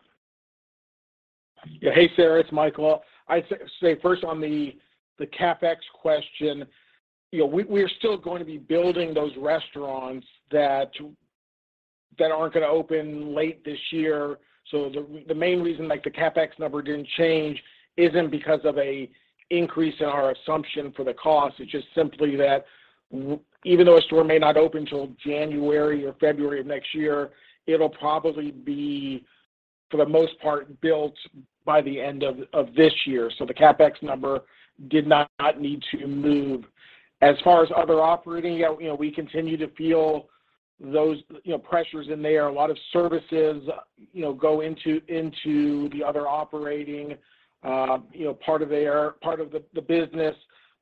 [SPEAKER 5] Yeah. Hey, Sara, it's Michael. I'd say first on the CapEx question, you know, we are still going to be building those restaurants that aren't gonna open late this year. The, the main reason like the CapEx number didn't change isn't because of a increase in our assumption for the cost. It's just simply that even though a store may not open till January or February of next year, it'll probably be, for the most part, built by the end of this year. The CapEx number did not need to move. As far as other operating, you know, we continue to feel those, you know, pressures in there. A lot of services, you know, go into the other operating, you know, part of the business.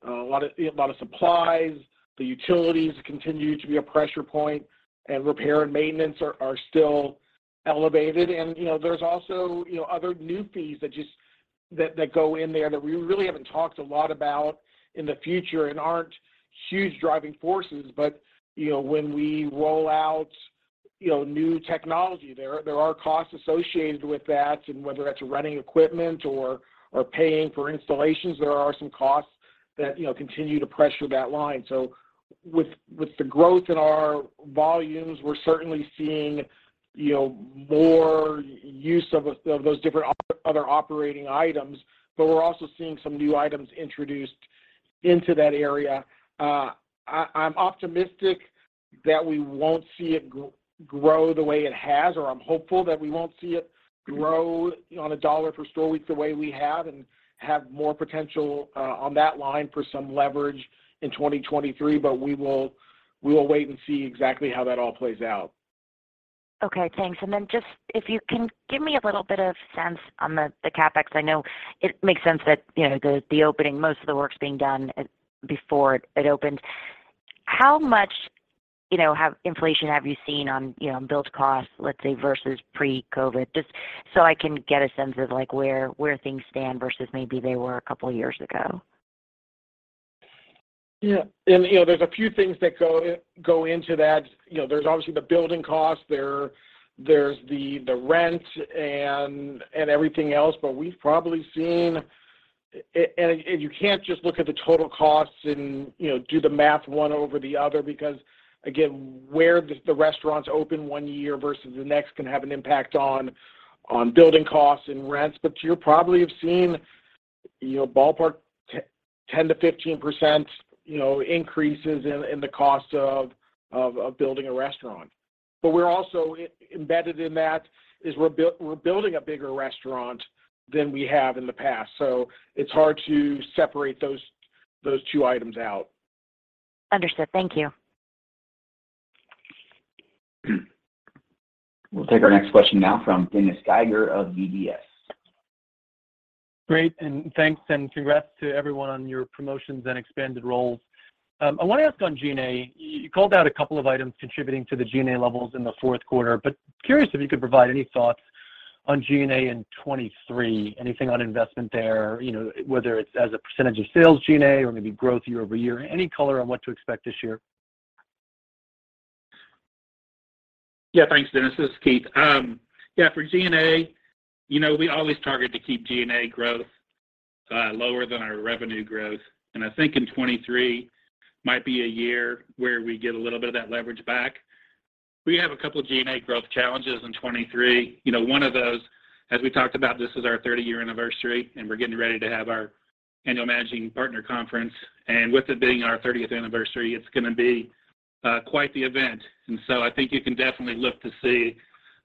[SPEAKER 5] A lot of supplies. The utilities continue to be a pressure point, and repair and maintenance are still elevated. You know, there's also, you know, other new fees that just go in there that we really haven't talked a lot about in the future and aren't huge driving forces. You know, when we roll out, you know, new technology, there are costs associated with that. Whether that's running equipment or paying for installations, there are some costs that, you know, continue to pressure that line. With the growth in our volumes, we're certainly seeing, you know, more use of those different other operating items, but we're also seeing some new items introduced into that area. I'm optimistic that we won't see it grow the way it has, or I'm hopeful that we won't see it grow on a dollar per store week the way we have and have more potential on that line for some leverage in 2023. We will wait and see exactly how that all plays out.
[SPEAKER 13] Okay, thanks. Just if you can give me a little bit of sense on the CapEx. I know it makes sense that, you know, the opening most of the work's being done before it opens. How much, you know, inflation have you seen on, you know, on build costs, let's say, versus pre-COVID? Just so I can get a sense of like where things stand versus maybe they were a couple years ago.
[SPEAKER 5] Yeah. You know, there's a few things that go into that. You know, there's obviously the building cost, there's the rent and everything else. We've probably seen. And you can't just look at the total cost and, you know, do the math one over the other because, again, where the restaurants open one year versus the next can have an impact on building costs and rents. You probably have seen, you know, ballpark 10%-15%, you know, increases in the cost of building a restaurant. We're also embedded in that is we're building a bigger restaurant than we have in the past, so it's hard to separate those two items out.
[SPEAKER 13] Understood. Thank you.
[SPEAKER 1] We'll take our next question now from Dennis Geiger of UBS.
[SPEAKER 14] Great. Thanks, and congrats to everyone on your promotions and expanded roles. I want to ask on G&A. You called out a couple of items contributing to the G&A levels in the fourth quarter. Curious if you could provide any thoughts on G&A in 23. Anything on investment there, you know, whether it's as a percentage of sales G&A or maybe growth year-over-year, any color on what to expect this year.
[SPEAKER 2] Yeah. Thanks, Dennis. This is Keith. Yeah, for G&A, you know, we always target to keep G&A growth lower than our revenue growth. I think in 23 might be a year where we get a little bit of that leverage back. We have a couple of G&A growth challenges in 23. You know, one of those, as we talked about, this is our 30-year anniversary, we're getting ready to have our annual managing partner conference. With it being our 30th anniversary, it's going to be quite the event. I think you can definitely look to see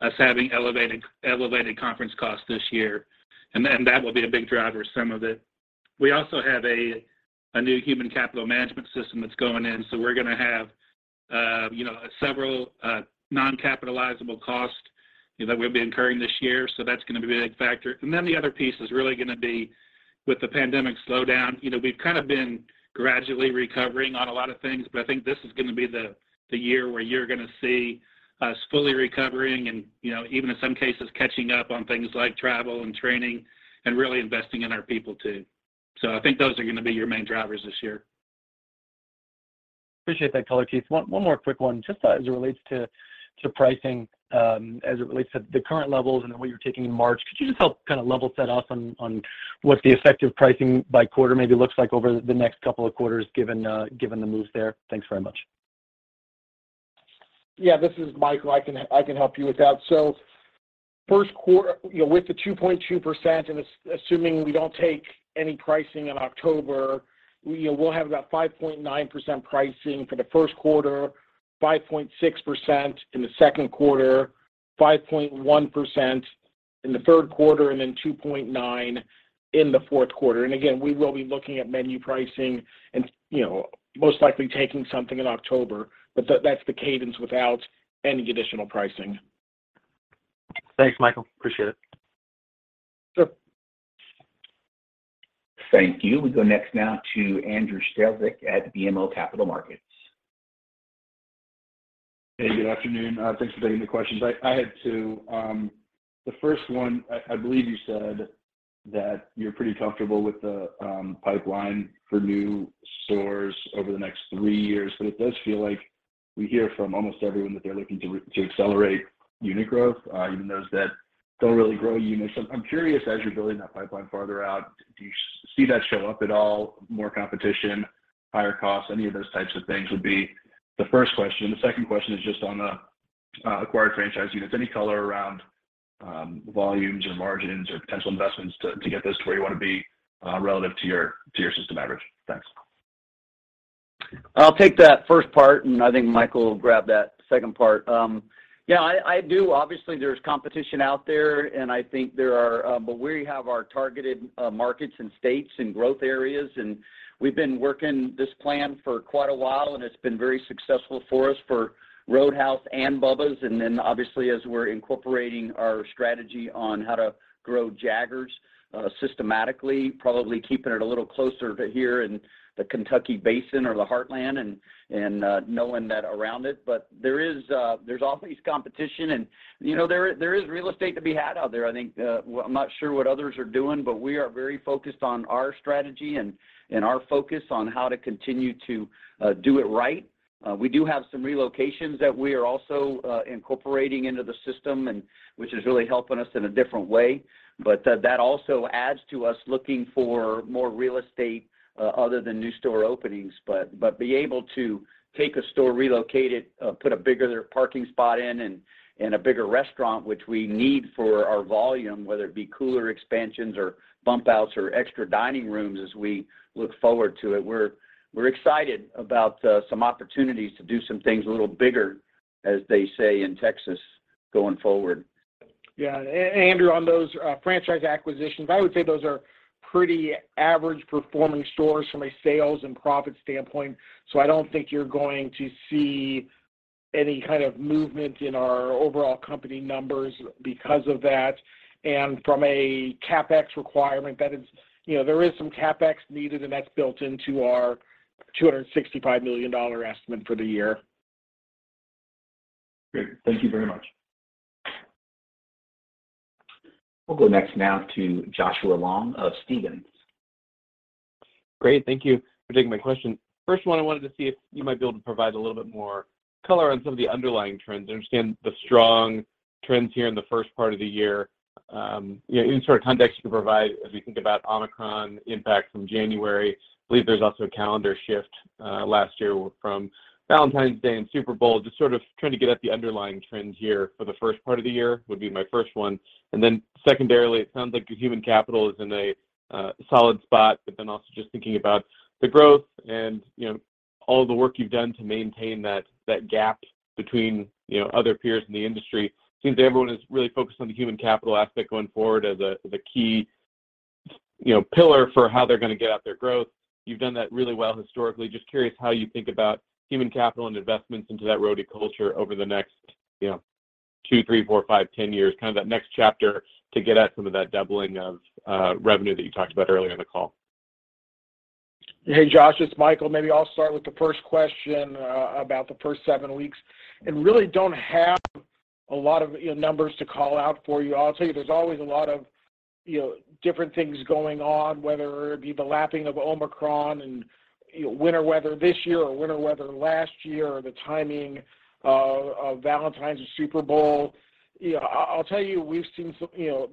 [SPEAKER 2] us having elevated conference costs this year, that will be a big driver, some of it. We also have a new human capital management system that's going in, so we're going to have, you know, several non-capitalizable costs, you know, that we'll be incurring this year. That's going to be a big factor. The other piece is really going to be with the pandemic slowdown. You know, we've kind of been gradually recovering on a lot of things, but I think this is going to be the year where you're going to see us fully recovering and, you know, even in some cases, catching up on things like travel and training and really investing in our people too. I think those are going to be your main drivers this year.
[SPEAKER 14] Appreciate that color, Keith. One more quick one. Just as it relates to pricing, as it relates to the current levels and what you're taking in March, could you just help kind of level set us on what the effect of pricing by quarter maybe looks like over the next couple of quarters, given the moves there? Thanks very much.
[SPEAKER 5] Yeah. This is Michael. I can help you with that. 1st quarter, you know, with the 2.2%, assuming we don't take any pricing in October, you know, we'll have about 5.9% pricing for the 1st quarter, 5.6% in the 2nd quarter, 5.1% in the 3rd quarter, then 2.9% in the 4th quarter. Again, we will be looking at menu pricing and, you know, most likely taking something in October. But that's the cadence without any additional pricing.
[SPEAKER 14] Thanks, Michael. Appreciate it.
[SPEAKER 5] Sure.
[SPEAKER 1] Thank you. We go next now to Andrew Strelzik at BMO Capital Markets.
[SPEAKER 15] Hey, good afternoon. thanks for taking the questions. I had two. The first one, I believe you said that you're pretty comfortable with the pipeline for new stores over the next three years. It does feel like we hear from almost everyone that they're looking to accelerate unit growth, even those that don't really grow units. I'm curious, as you're building that pipeline farther out, do you see that show up at all, more competition, higher costs, any of those types of things would be the first question. The second question is just on the acquired franchise units. Any color around volumes or margins or potential investments to get those to where you want to be, relative to your system average? Thanks.
[SPEAKER 3] I'll take that first part. I think Michael will grab that second part. Yeah, I do. Obviously, there's competition out there, and I think there are. We have our targeted markets and states and growth areas. We've been working this plan for quite a while, and it's been very successful for us for Roadhouse and Bubba's. Obviously, as we're incorporating our strategy on how to grow Jaggers systematically, probably keeping it a little closer to here in the Kentucky Basin or the Heartland and knowing that around it. There is, there's always competition and, you know, there is real estate to be had out there.
[SPEAKER 5] I think, well, I'm not sure what others are doing, but we are very focused on our strategy and our focus on how to continue to do it right. We do have some relocations that we are also incorporating into the system and which is really helping us in a different way. That also adds to us looking for more real estate, other than new store openings. Being able to take a store, relocate it, put a bigger parking spot in and a bigger restaurant, which we need for our volume, whether it be cooler expansions or bump outs or extra dining rooms as we look forward to it. We're excited about some opportunities to do some things a little bigger, as they say in Texas, going forward. Yeah. Andrew, on those franchise acquisitions, I would say those are pretty average performing stores from a sales and profit standpoint, so I don't think you're going to see any kind of movement in our overall company numbers because of that. From a CapEx requirement, you know, there is some CapEx needed, and that's built into our $265 million estimate for the year.
[SPEAKER 4] Great. Thank you very much.
[SPEAKER 1] We'll go next now to Joshua Long of Stephens.
[SPEAKER 16] Great. Thank you for taking my question. First one, I wanted to see if you might be able to provide a little bit more color on some of the underlying trends and understand the strong trends here in the first part of the year. You know, any sort of context you can provide as we think about Omicron impact from January, believe there's also a calendar shift last year from Valentine's Day and Super Bowl, just sort of trying to get at the underlying trends here for the first part of the year would be my first one. Secondarily, it sounds like your human capital is in a solid spot, also just thinking about the growth and, you know, all of the work you've done to maintain that gap between, you know, other peers in the industry. Seems everyone is really focused on the human capital aspect going forward as a, the key, you know, pillar for how they're gonna get out their growth. You've done that really well historically. Just curious how you think about human capital and investments into that Roadie culture over the next, you know, two, three, four, five, 10 years, kind of that next chapter to get at some of that doubling of revenue that you talked about earlier in the call.
[SPEAKER 5] Hey, Josh, it's Michael. Maybe I'll start with the first question, about the first seven weeks, and really don't have a lot of, you know, numbers to call out for you. I'll tell you, there's always a lot of, you know, different things going on, whether it be the lapping of Omicron and, you know, winter weather this year or winter weather last year or the timing of Valentine's and Super Bowl. You know, I'll tell you, we've seen some, you know,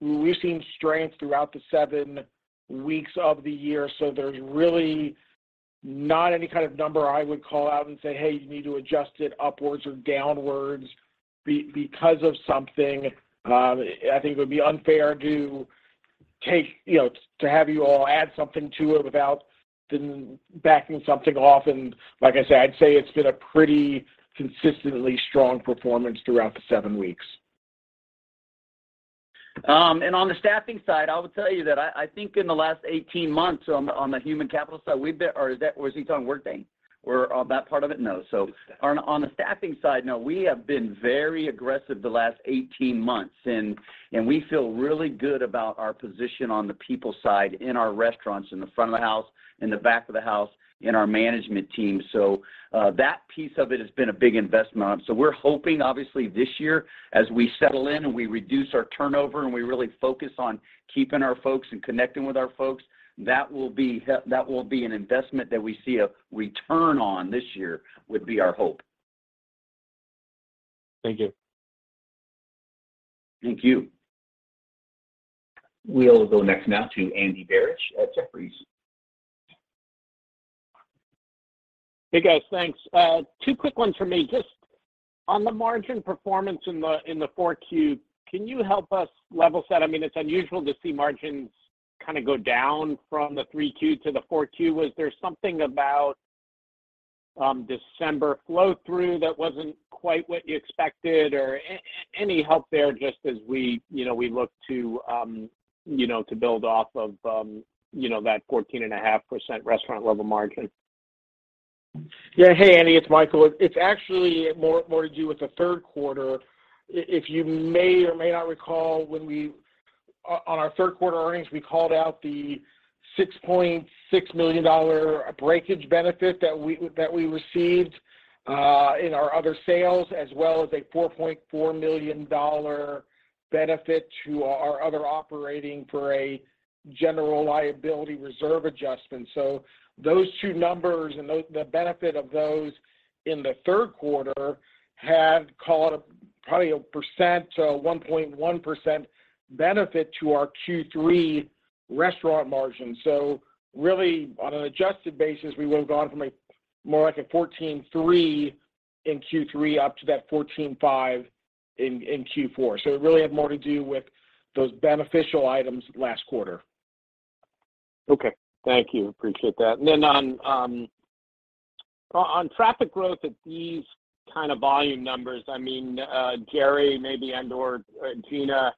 [SPEAKER 5] we've seen strength throughout the seven weeks of the year, so there's really not any kind of number I would call out and say, "Hey, you need to adjust it upwards or downwards because of something." I think it would be unfair to take, you know, to have you all add something to it without then backing something off. Like I said, I'd say it's been a pretty consistently strong performance throughout the seven weeks.
[SPEAKER 3] On the staffing side, I would tell you that I think in the last 18 months on the human capital side. Was he talking Workday or that part of it? No. On the staffing side, no, we have been very aggressive the last 18 months, and we feel really good about our position on the people side in our restaurants, in the front of the house, in the back of the house, in our management team. That piece of it has been a big investment. We're hoping obviously this year as we settle in and we reduce our turnover and we really focus on keeping our folks and connecting with our folks, that will be an investment that we see a return on this year, would be our hope.
[SPEAKER 16] Thank you.
[SPEAKER 3] Thank you.
[SPEAKER 1] We'll go next now to Andy Barish at Jefferies.
[SPEAKER 17] Hey, guys. Thanks. Two quick ones from me. Just on the margin performance in the 4Q, can you help us level set? I mean, it's unusual to see margins kind of go down from the 3Q to the 4Q. Was there something about December flow-through that wasn't quite what you expected or any help there just as we, you know, we look to, you know, to build off of, you know, that 14.5% restaurant level margin?
[SPEAKER 5] Yeah. Hey, Andy. It's Michael. It's actually more to do with the third quarter. If you may or may not recall, when we on our third quarter earnings, we called out the $6.6 million Breakage benefit that we received in our other sales, as well as a $4.4 million benefit to our other operating for a general liability reserve adjustment. Those two numbers and the benefit of those in the third quarter had called probably a %, 1.1% benefit to our Q3 restaurant margin. Really on an adjusted basis, we would have gone from a more like a 14.3% in Q3 up to that 14.5% in Q4. It really had more to do with those beneficial items last quarter.
[SPEAKER 17] Okay. Thank you. Appreciate that. Then on traffic growth at these kind of volume numbers, I mean, Jerry maybe and/or Gina,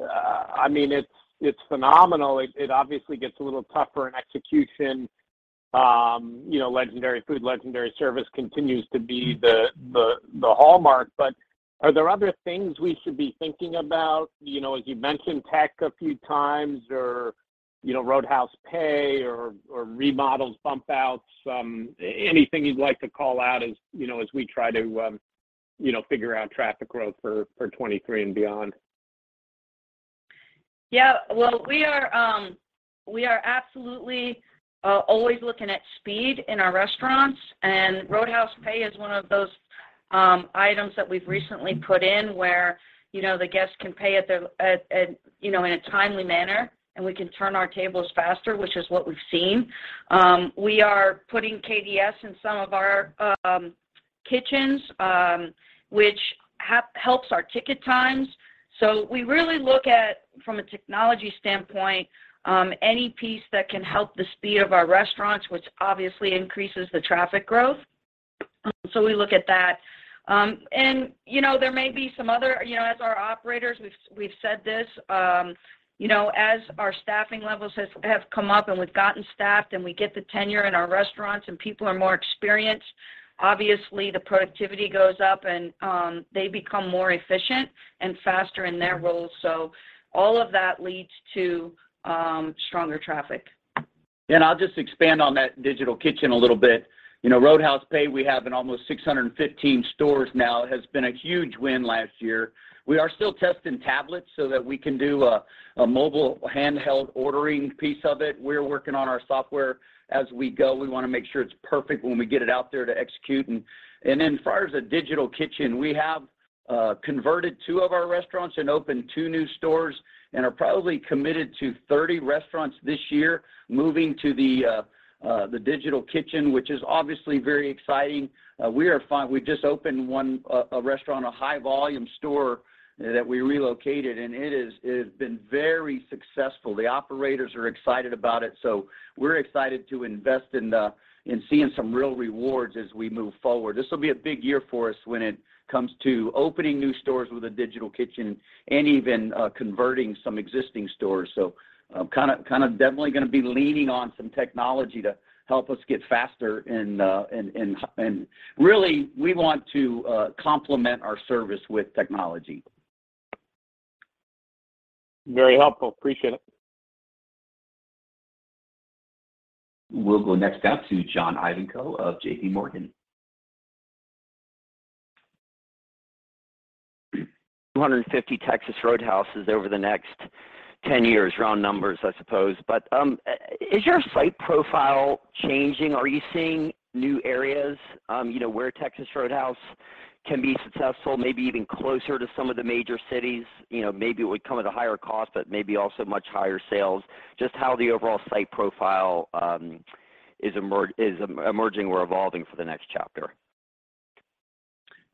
[SPEAKER 17] I mean, it's phenomenal. It, it obviously gets a little tougher in execution. You know, legendary food, legendary service continues to be the hallmark. Are there other things we should be thinking about? You know, as you've mentioned tech a few times or, you know, Roadhouse Pay or remodels, bump outs, anything you'd like to call out as, you know, as we try to, you know, figure out traffic growth for 2023 and beyond?
[SPEAKER 4] Well, we are absolutely, always looking at speed in our restaurants. Roadhouse Pay is one of those, items that we've recently put in where, you know, the guests can pay at their, you know, in a timely manner. We can turn our tables faster, which is what we've seen. We are putting KDS in some of our, kitchens, which helps our ticket times. We really look at, from a technology standpoint, any piece that can help the speed of our restaurants, which obviously increases the traffic growth.
[SPEAKER 5] We look at that. And you know, there may be some other, you know, as our operators, we've said this, you know, as our staffing levels have come up and we've gotten staffed, and we get the tenure in our restaurants, and people are more experienced, obviously the productivity goes up, and they become more efficient and faster in their roles. All of that leads to stronger traffic.
[SPEAKER 3] I'll just expand on that Digital Kitchen a little bit. You know, Roadhouse Pay, we have in almost 615 stores now. It has been a huge win last year. We are still testing tablets so that we can do a mobile handheld ordering piece of it. We're working on our software as we go. We want to make sure it's perfect when we get it out there to execute. Far as the Digital Kitchen, we have converted two of our restaurants and opened two new stores and are probably committed to 30 restaurants this year moving to the Digital Kitchen, which is obviously very exciting. We just opened one a restaurant, a high volume store that we relocated, and it has been very successful. The operators are excited about it, so we're excited to invest in seeing some real rewards as we move forward. This will be a big year for us when it comes to opening new stores with a Digital Kitchen and even converting some existing stores. Kinda definitely gonna be leaning on some technology to help us get faster and really we want to complement our service with technology.
[SPEAKER 2] Very helpful. Appreciate it.
[SPEAKER 1] We'll go next now to John Ivankoe of JPMorgan.
[SPEAKER 18] 250 Texas Roadhouses over the next 10 years. Round numbers, I suppose. Is your site profile changing? Are you seeing new areas, you know, where Texas Roadhouse can be successful, maybe even closer to some of the major cities? You know, maybe it would come at a higher cost, but maybe also much higher sales. Just how the overall site profile is emerging or evolving for the next chapter.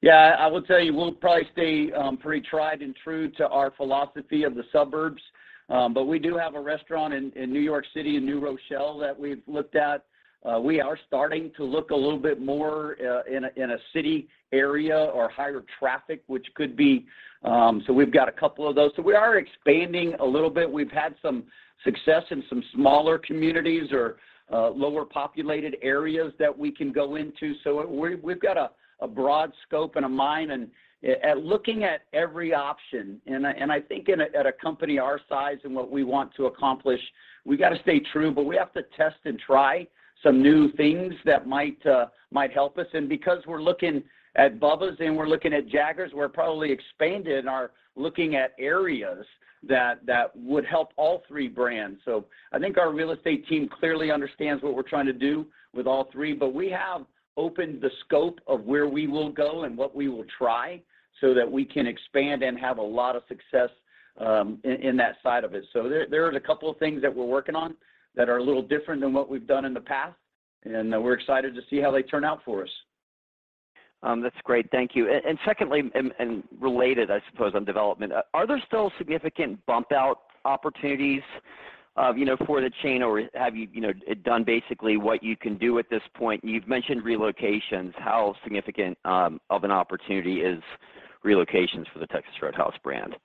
[SPEAKER 3] Yeah. I would say we'll probably stay pretty tried and true to our philosophy of the suburbs. We do have a restaurant in New York City, in New Rochelle, that we've looked at. We are starting to look a little bit more in a, in a city area or higher traffic, which could be. We've got a couple of those. We are expanding a little bit. We've had some success in some smaller communities or lower populated areas that we can go into. We've got a broad scope and a mind and looking at every option. I, and I think in a, at a company our size and what we want to accomplish, we gotta stay true, but we have to test and try some new things that might help us. Because we're looking at Bubba's and we're looking at Jaggers, we're probably expanded and are looking at areas that would help all three brands. I think our real estate team clearly understands what we're trying to do with all three, but we have opened the scope of where we will go and what we will try so that we can expand and have a lot of success in that side of it. There is a couple of things that we're working on that are a little different than what we've done in the past, and we're excited to see how they turn out for us.
[SPEAKER 18] That's great. Thank you. Secondly, and related, I suppose, on development, are there still significant bump out opportunities, you know, for the chain? Or have you know, done basically what you can do at this point? You've mentioned relocations. How significant of an opportunity is relocations for the Texas Roadhouse brand?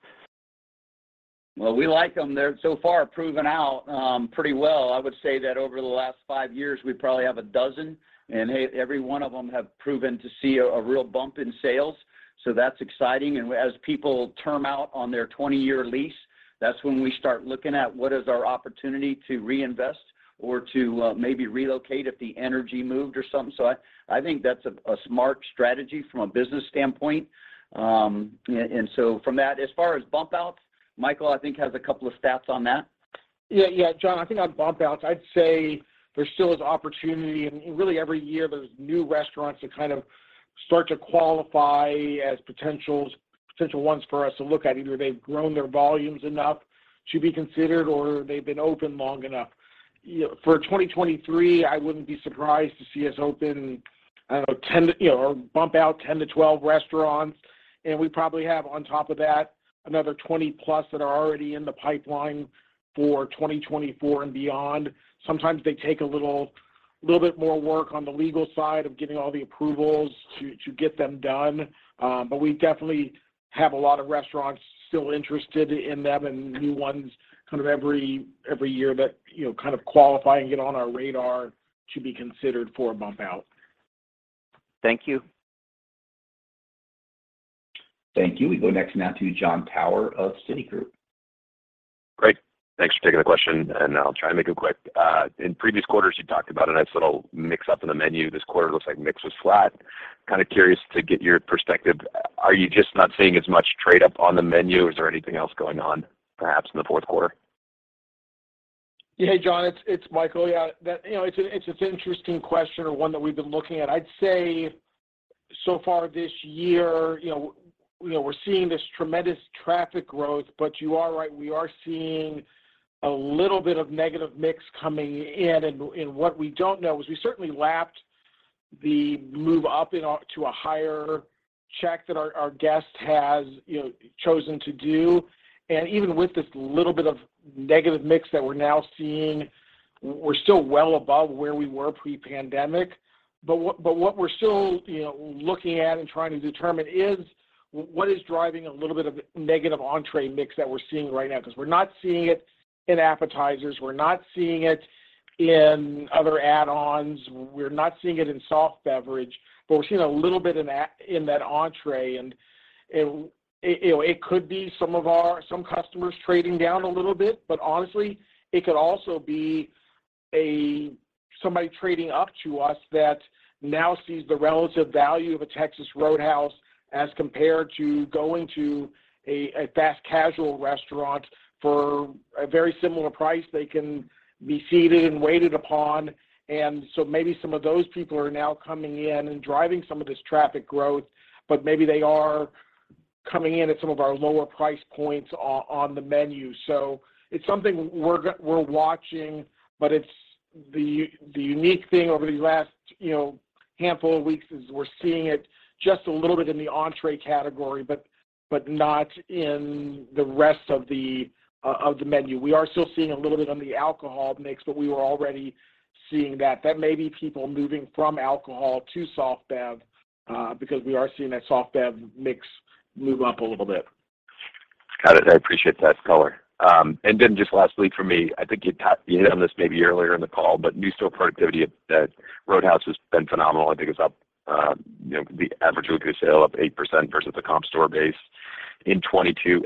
[SPEAKER 3] Well, we like them. They're so far proven out, pretty well. I would say that over the last five years, we probably have a dozen, and every one of them have proven to see a real bump in sales. That's exciting. As people term out on their 20-year lease, that's when we start looking at what is our opportunity to reinvest or to maybe relocate if the energy moved or something. I think that's a smart strategy from a business standpoint. From that, as far as bump outs, Michael, I think, has a couple of stats on that.
[SPEAKER 5] Yeah, yeah, John, I think on bump outs, I'd say there still is opportunity. Really every year there's new restaurants that kind of start to qualify as potentials, potential ones for us to look at. Either they've grown their volumes enough to be considered or they've been open long enough. You know, for 2023, I wouldn't be surprised to see us open, I don't know, bump out 10-12 restaurants. We probably have on top of that another 20+ that are already in the pipeline for 2024 and beyond. Sometimes they take a little bit more work on the legal side of getting all the approvals to get them done. We definitely have a lot of restaurants still interested in them and new ones kind of every year that, you know, kind of qualify and get on our radar to be considered for a bump out.
[SPEAKER 18] Thank you.
[SPEAKER 1] Thank you. We go next now to Jon Tower of Citigroup.
[SPEAKER 19] Great. Thanks for taking the question, and I'll try and make it quick. In previous quarters, you talked about a nice little mix up in the menu. This quarter looks like mix was flat. Kinda curious to get your perspective. Are you just not seeing as much trade up on the menu? Is there anything else going on perhaps in the fourth quarter?
[SPEAKER 5] Yeah. Jon, it's Michael. You know, it's a interesting question or one that we've been looking at. I'd say so far this year, you know, we're seeing this tremendous traffic growth, but you are right, we are seeing a little bit of negative mix coming in. What we don't know is we certainly lapped the move up to a higher check that our guest has, you know, chosen to do. Even with this little bit of negative mix that we're now seeing, we're still well above where we were pre-pandemic. What we're still, you know, looking at and trying to determine is what is driving a little bit of negative entree mix that we're seeing right now. Because we're not seeing it in appetizers, we're not seeing it in other add-ons, we're not seeing it in soft beverage, but we're seeing a little bit in that, in that entree. It, you know, it could be some customers trading down a little bit, but honestly, it could also be somebody trading up to us that now sees the relative value of a Texas Roadhouse as compared to going to a fast casual restaurant for a very similar price. They can be seated and waited upon. Maybe some of those people are now coming in and driving some of this traffic growth. Maybe they are coming in at some of our lower price points on the menu. It's something we're watching, but it's the unique thing over these last, you know, handful of weeks is we're seeing it just a little bit in the entree category, but not in the rest of the menu. We are still seeing a little bit on the alcohol mix, but we were already seeing that. That may be people moving from alcohol to soft bev, because we are seeing that soft bev mix move up a little bit.
[SPEAKER 19] Got it. I appreciate that color. Just lastly for me, I think you hit on this maybe earlier in the call, but new store productivity at Roadhouse has been phenomenal. I think it's up, you know, the average weekly sale up 8% versus the comp store base in 22.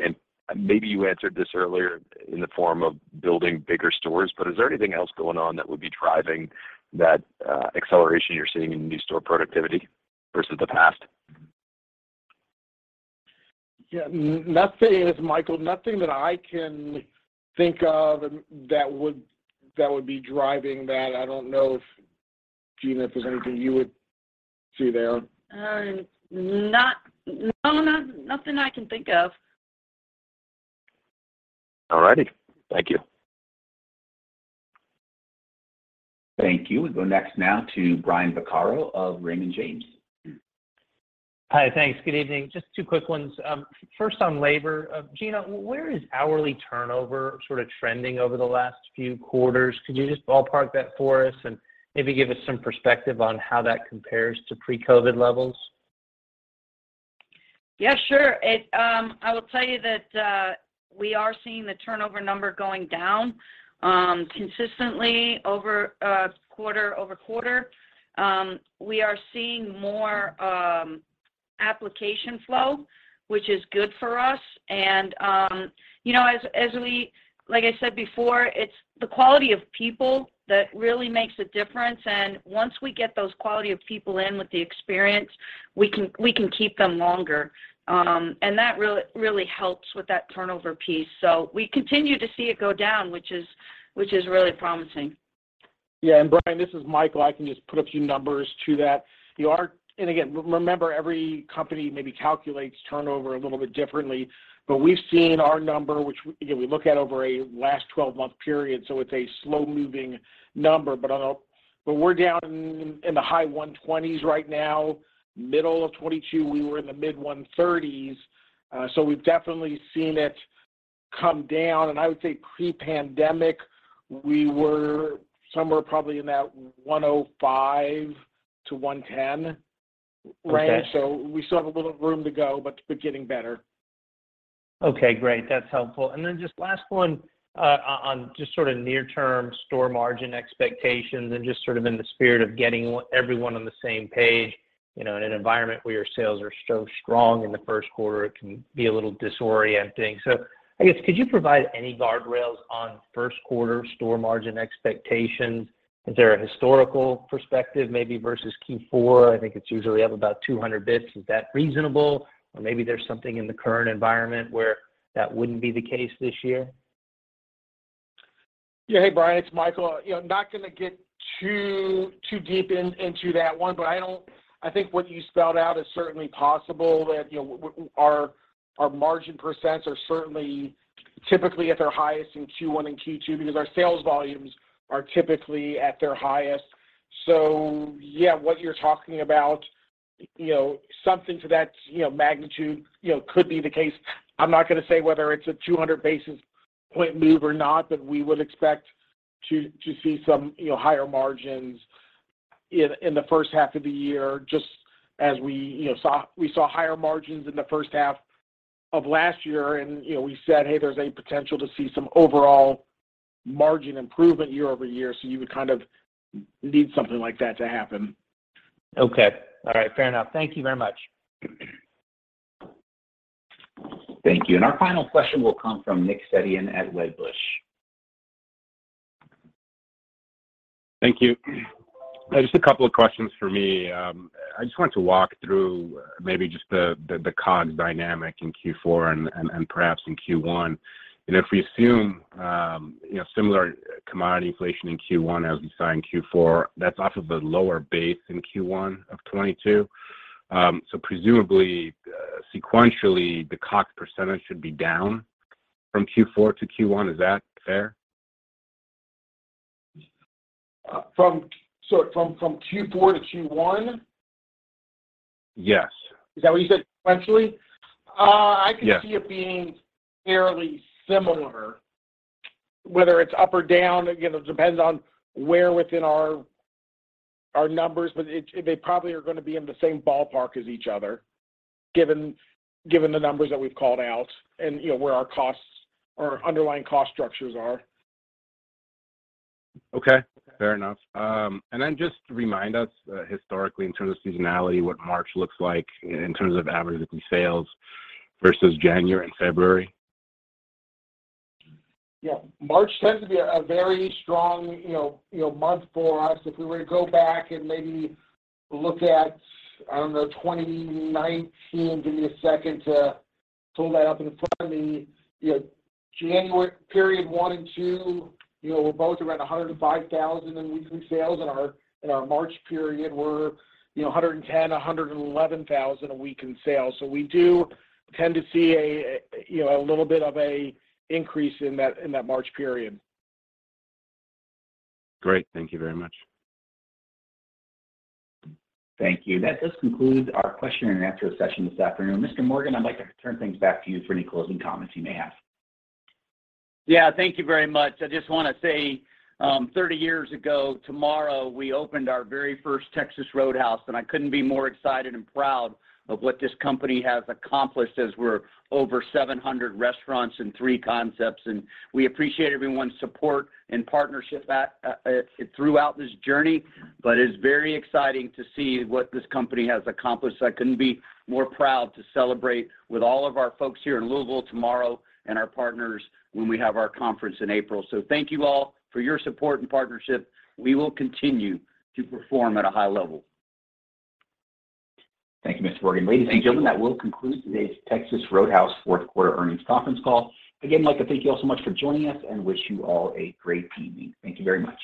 [SPEAKER 19] Maybe you answered this earlier in the form of building bigger stores, but is there anything else going on that would be driving that acceleration you're seeing in new store productivity versus the past?
[SPEAKER 3] Yeah. Nothing is, Michael. Nothing that I can think of that would be driving that. I don't know if, Gina, if there's anything you would see there?
[SPEAKER 4] No, nothing I can think of.
[SPEAKER 19] All righty. Thank you.
[SPEAKER 1] Thank you. We go next now to Brian Vaccaro of Raymond James.
[SPEAKER 20] Hi. Thanks. Good evening. Just two quick ones. First on labor, Gina, where is hourly turnover sort of trending over the last few quarters? Could you just ballpark that for us and maybe give us some perspective on how that compares to pre-COVID levels?
[SPEAKER 4] Yeah, sure. It, I will tell you that, we are seeing the turnover number going down, consistently over quarter-over-quarter. We are seeing more application flow, which is good for us. You know, as we like I said before, it's the quality of people that really makes a difference. Once we get those quality of people in with the experience, we can keep them longer. That really helps with that turnover piece. We continue to see it go down, which is really promising.
[SPEAKER 5] Yeah. Brian, this is Michael. I can just put a few numbers to that. Again, remember, every company maybe calculates turnover a little bit differently, we've seen our number, which we, you know, we look at over a last 12-month period. It's a slow-moving number. we're down in the high 120s right now. Middle of 2022, we were in the mid 130s, we've definitely seen it come down. I would say pre-pandemic, we were somewhere probably in that 105-110 range.
[SPEAKER 20] Okay.
[SPEAKER 5] We still have a little room to go, but getting better.
[SPEAKER 20] Okay, great. That's helpful. Just last one, on just sort of near term store margin expectations and just sort of in the spirit of getting everyone on the same page. You know, in an environment where your sales are so strong in the first quarter, it can be a little disorienting. I guess could you provide any guardrails on first quarter store margin expectations? Is there a historical perspective maybe versus Q4? I think it's usually up about 200 bits. Is that reasonable? Maybe there's something in the current environment where that wouldn't be the case this year.
[SPEAKER 5] Yeah. Hey, Brian, it's Michael. You know, not gonna get too deep into that one, but I don't think what you spelled out is certainly possible that, you know, our margin % are certainly typically at their highest in Q1 and Q2 because our sales volumes are typically at their highest. Yeah, what you're talking about, you know, something to that, you know, magnitude, you know, could be the case. I'm not gonna say whether it's a 200 basis point move or not. We would expect to see some, you know, higher margins in the first half of the year, just as we, you know, saw higher margins in the first half of last year and, you know, we said, "Hey, there's a potential to see some overall margin improvement year-over-year." You would kind of need something like that to happen.
[SPEAKER 20] Okay. All right. Fair enough. Thank you very much.
[SPEAKER 1] Thank you. Our final question will come from Nick Setyan at Wedbush.
[SPEAKER 21] Thank you. Just a couple of questions for me. I just wanted to walk through maybe just the COGS dynamic in Q4 and perhaps in Q1. If we assume, you know, similar commodity inflation in Q1 as we saw in Q4, that's off of a lower base in Q1 of 2022. So presumably, sequentially, the COGS percentage should be down from Q4 to Q1. Is that fair?
[SPEAKER 5] From, so from Q4 to Q1?
[SPEAKER 21] Yes.
[SPEAKER 5] Is that what you said, essentially?
[SPEAKER 21] Yes
[SPEAKER 5] I can see it being fairly similar. Whether it's up or down, again, it depends on where within our numbers, but they probably are going to be in the same ballpark as each other given the numbers that we've called out and, you know, where our costs or underlying cost structures are.
[SPEAKER 21] Okay. Fair enough. Just remind us historically in terms of seasonality, what March looks like in terms of average weekly sales versus January and February.
[SPEAKER 5] Yeah. March tends to be a very strong, you know, you know, month for us. If we were to go back and maybe look at, I don't know, 2019. Give me a second to pull that up in front of me. You know, January, period one and two, you know, were both around 105,000 in weekly sales. In our March period, we're, you know, 110,000-111,000 a week in sales. We do tend to see a, you know, a little bit of a increase in that, in that March period.
[SPEAKER 21] Great. Thank you very much.
[SPEAKER 1] Thank you. That does conclude our question and answer session this afternoon. Mr. Morgan, I'd like to turn things back to you for any closing comments you may have.
[SPEAKER 3] Thank you very much. I just want to say, 30 years ago tomorrow, we opened our very first Texas Roadhouse. I couldn't be more excited and proud of what this company has accomplished as we're over 700 restaurants and three concepts. We appreciate everyone's support and partnership throughout this journey. It's very exciting to see what this company has accomplished. I couldn't be more proud to celebrate with all of our folks here in Louisville tomorrow and our partners when we have our conference in April. Thank you all for your support and partnership. We will continue to perform at a high level.
[SPEAKER 1] Thank you, Mr. Morgan.
[SPEAKER 5] Thank you.
[SPEAKER 1] Ladies and gentlemen, that will conclude today's Texas Roadhouse fourth quarter earnings conference call. Again, I'd like to thank you all so much for joining us and wish you all a great evening. Thank you very much.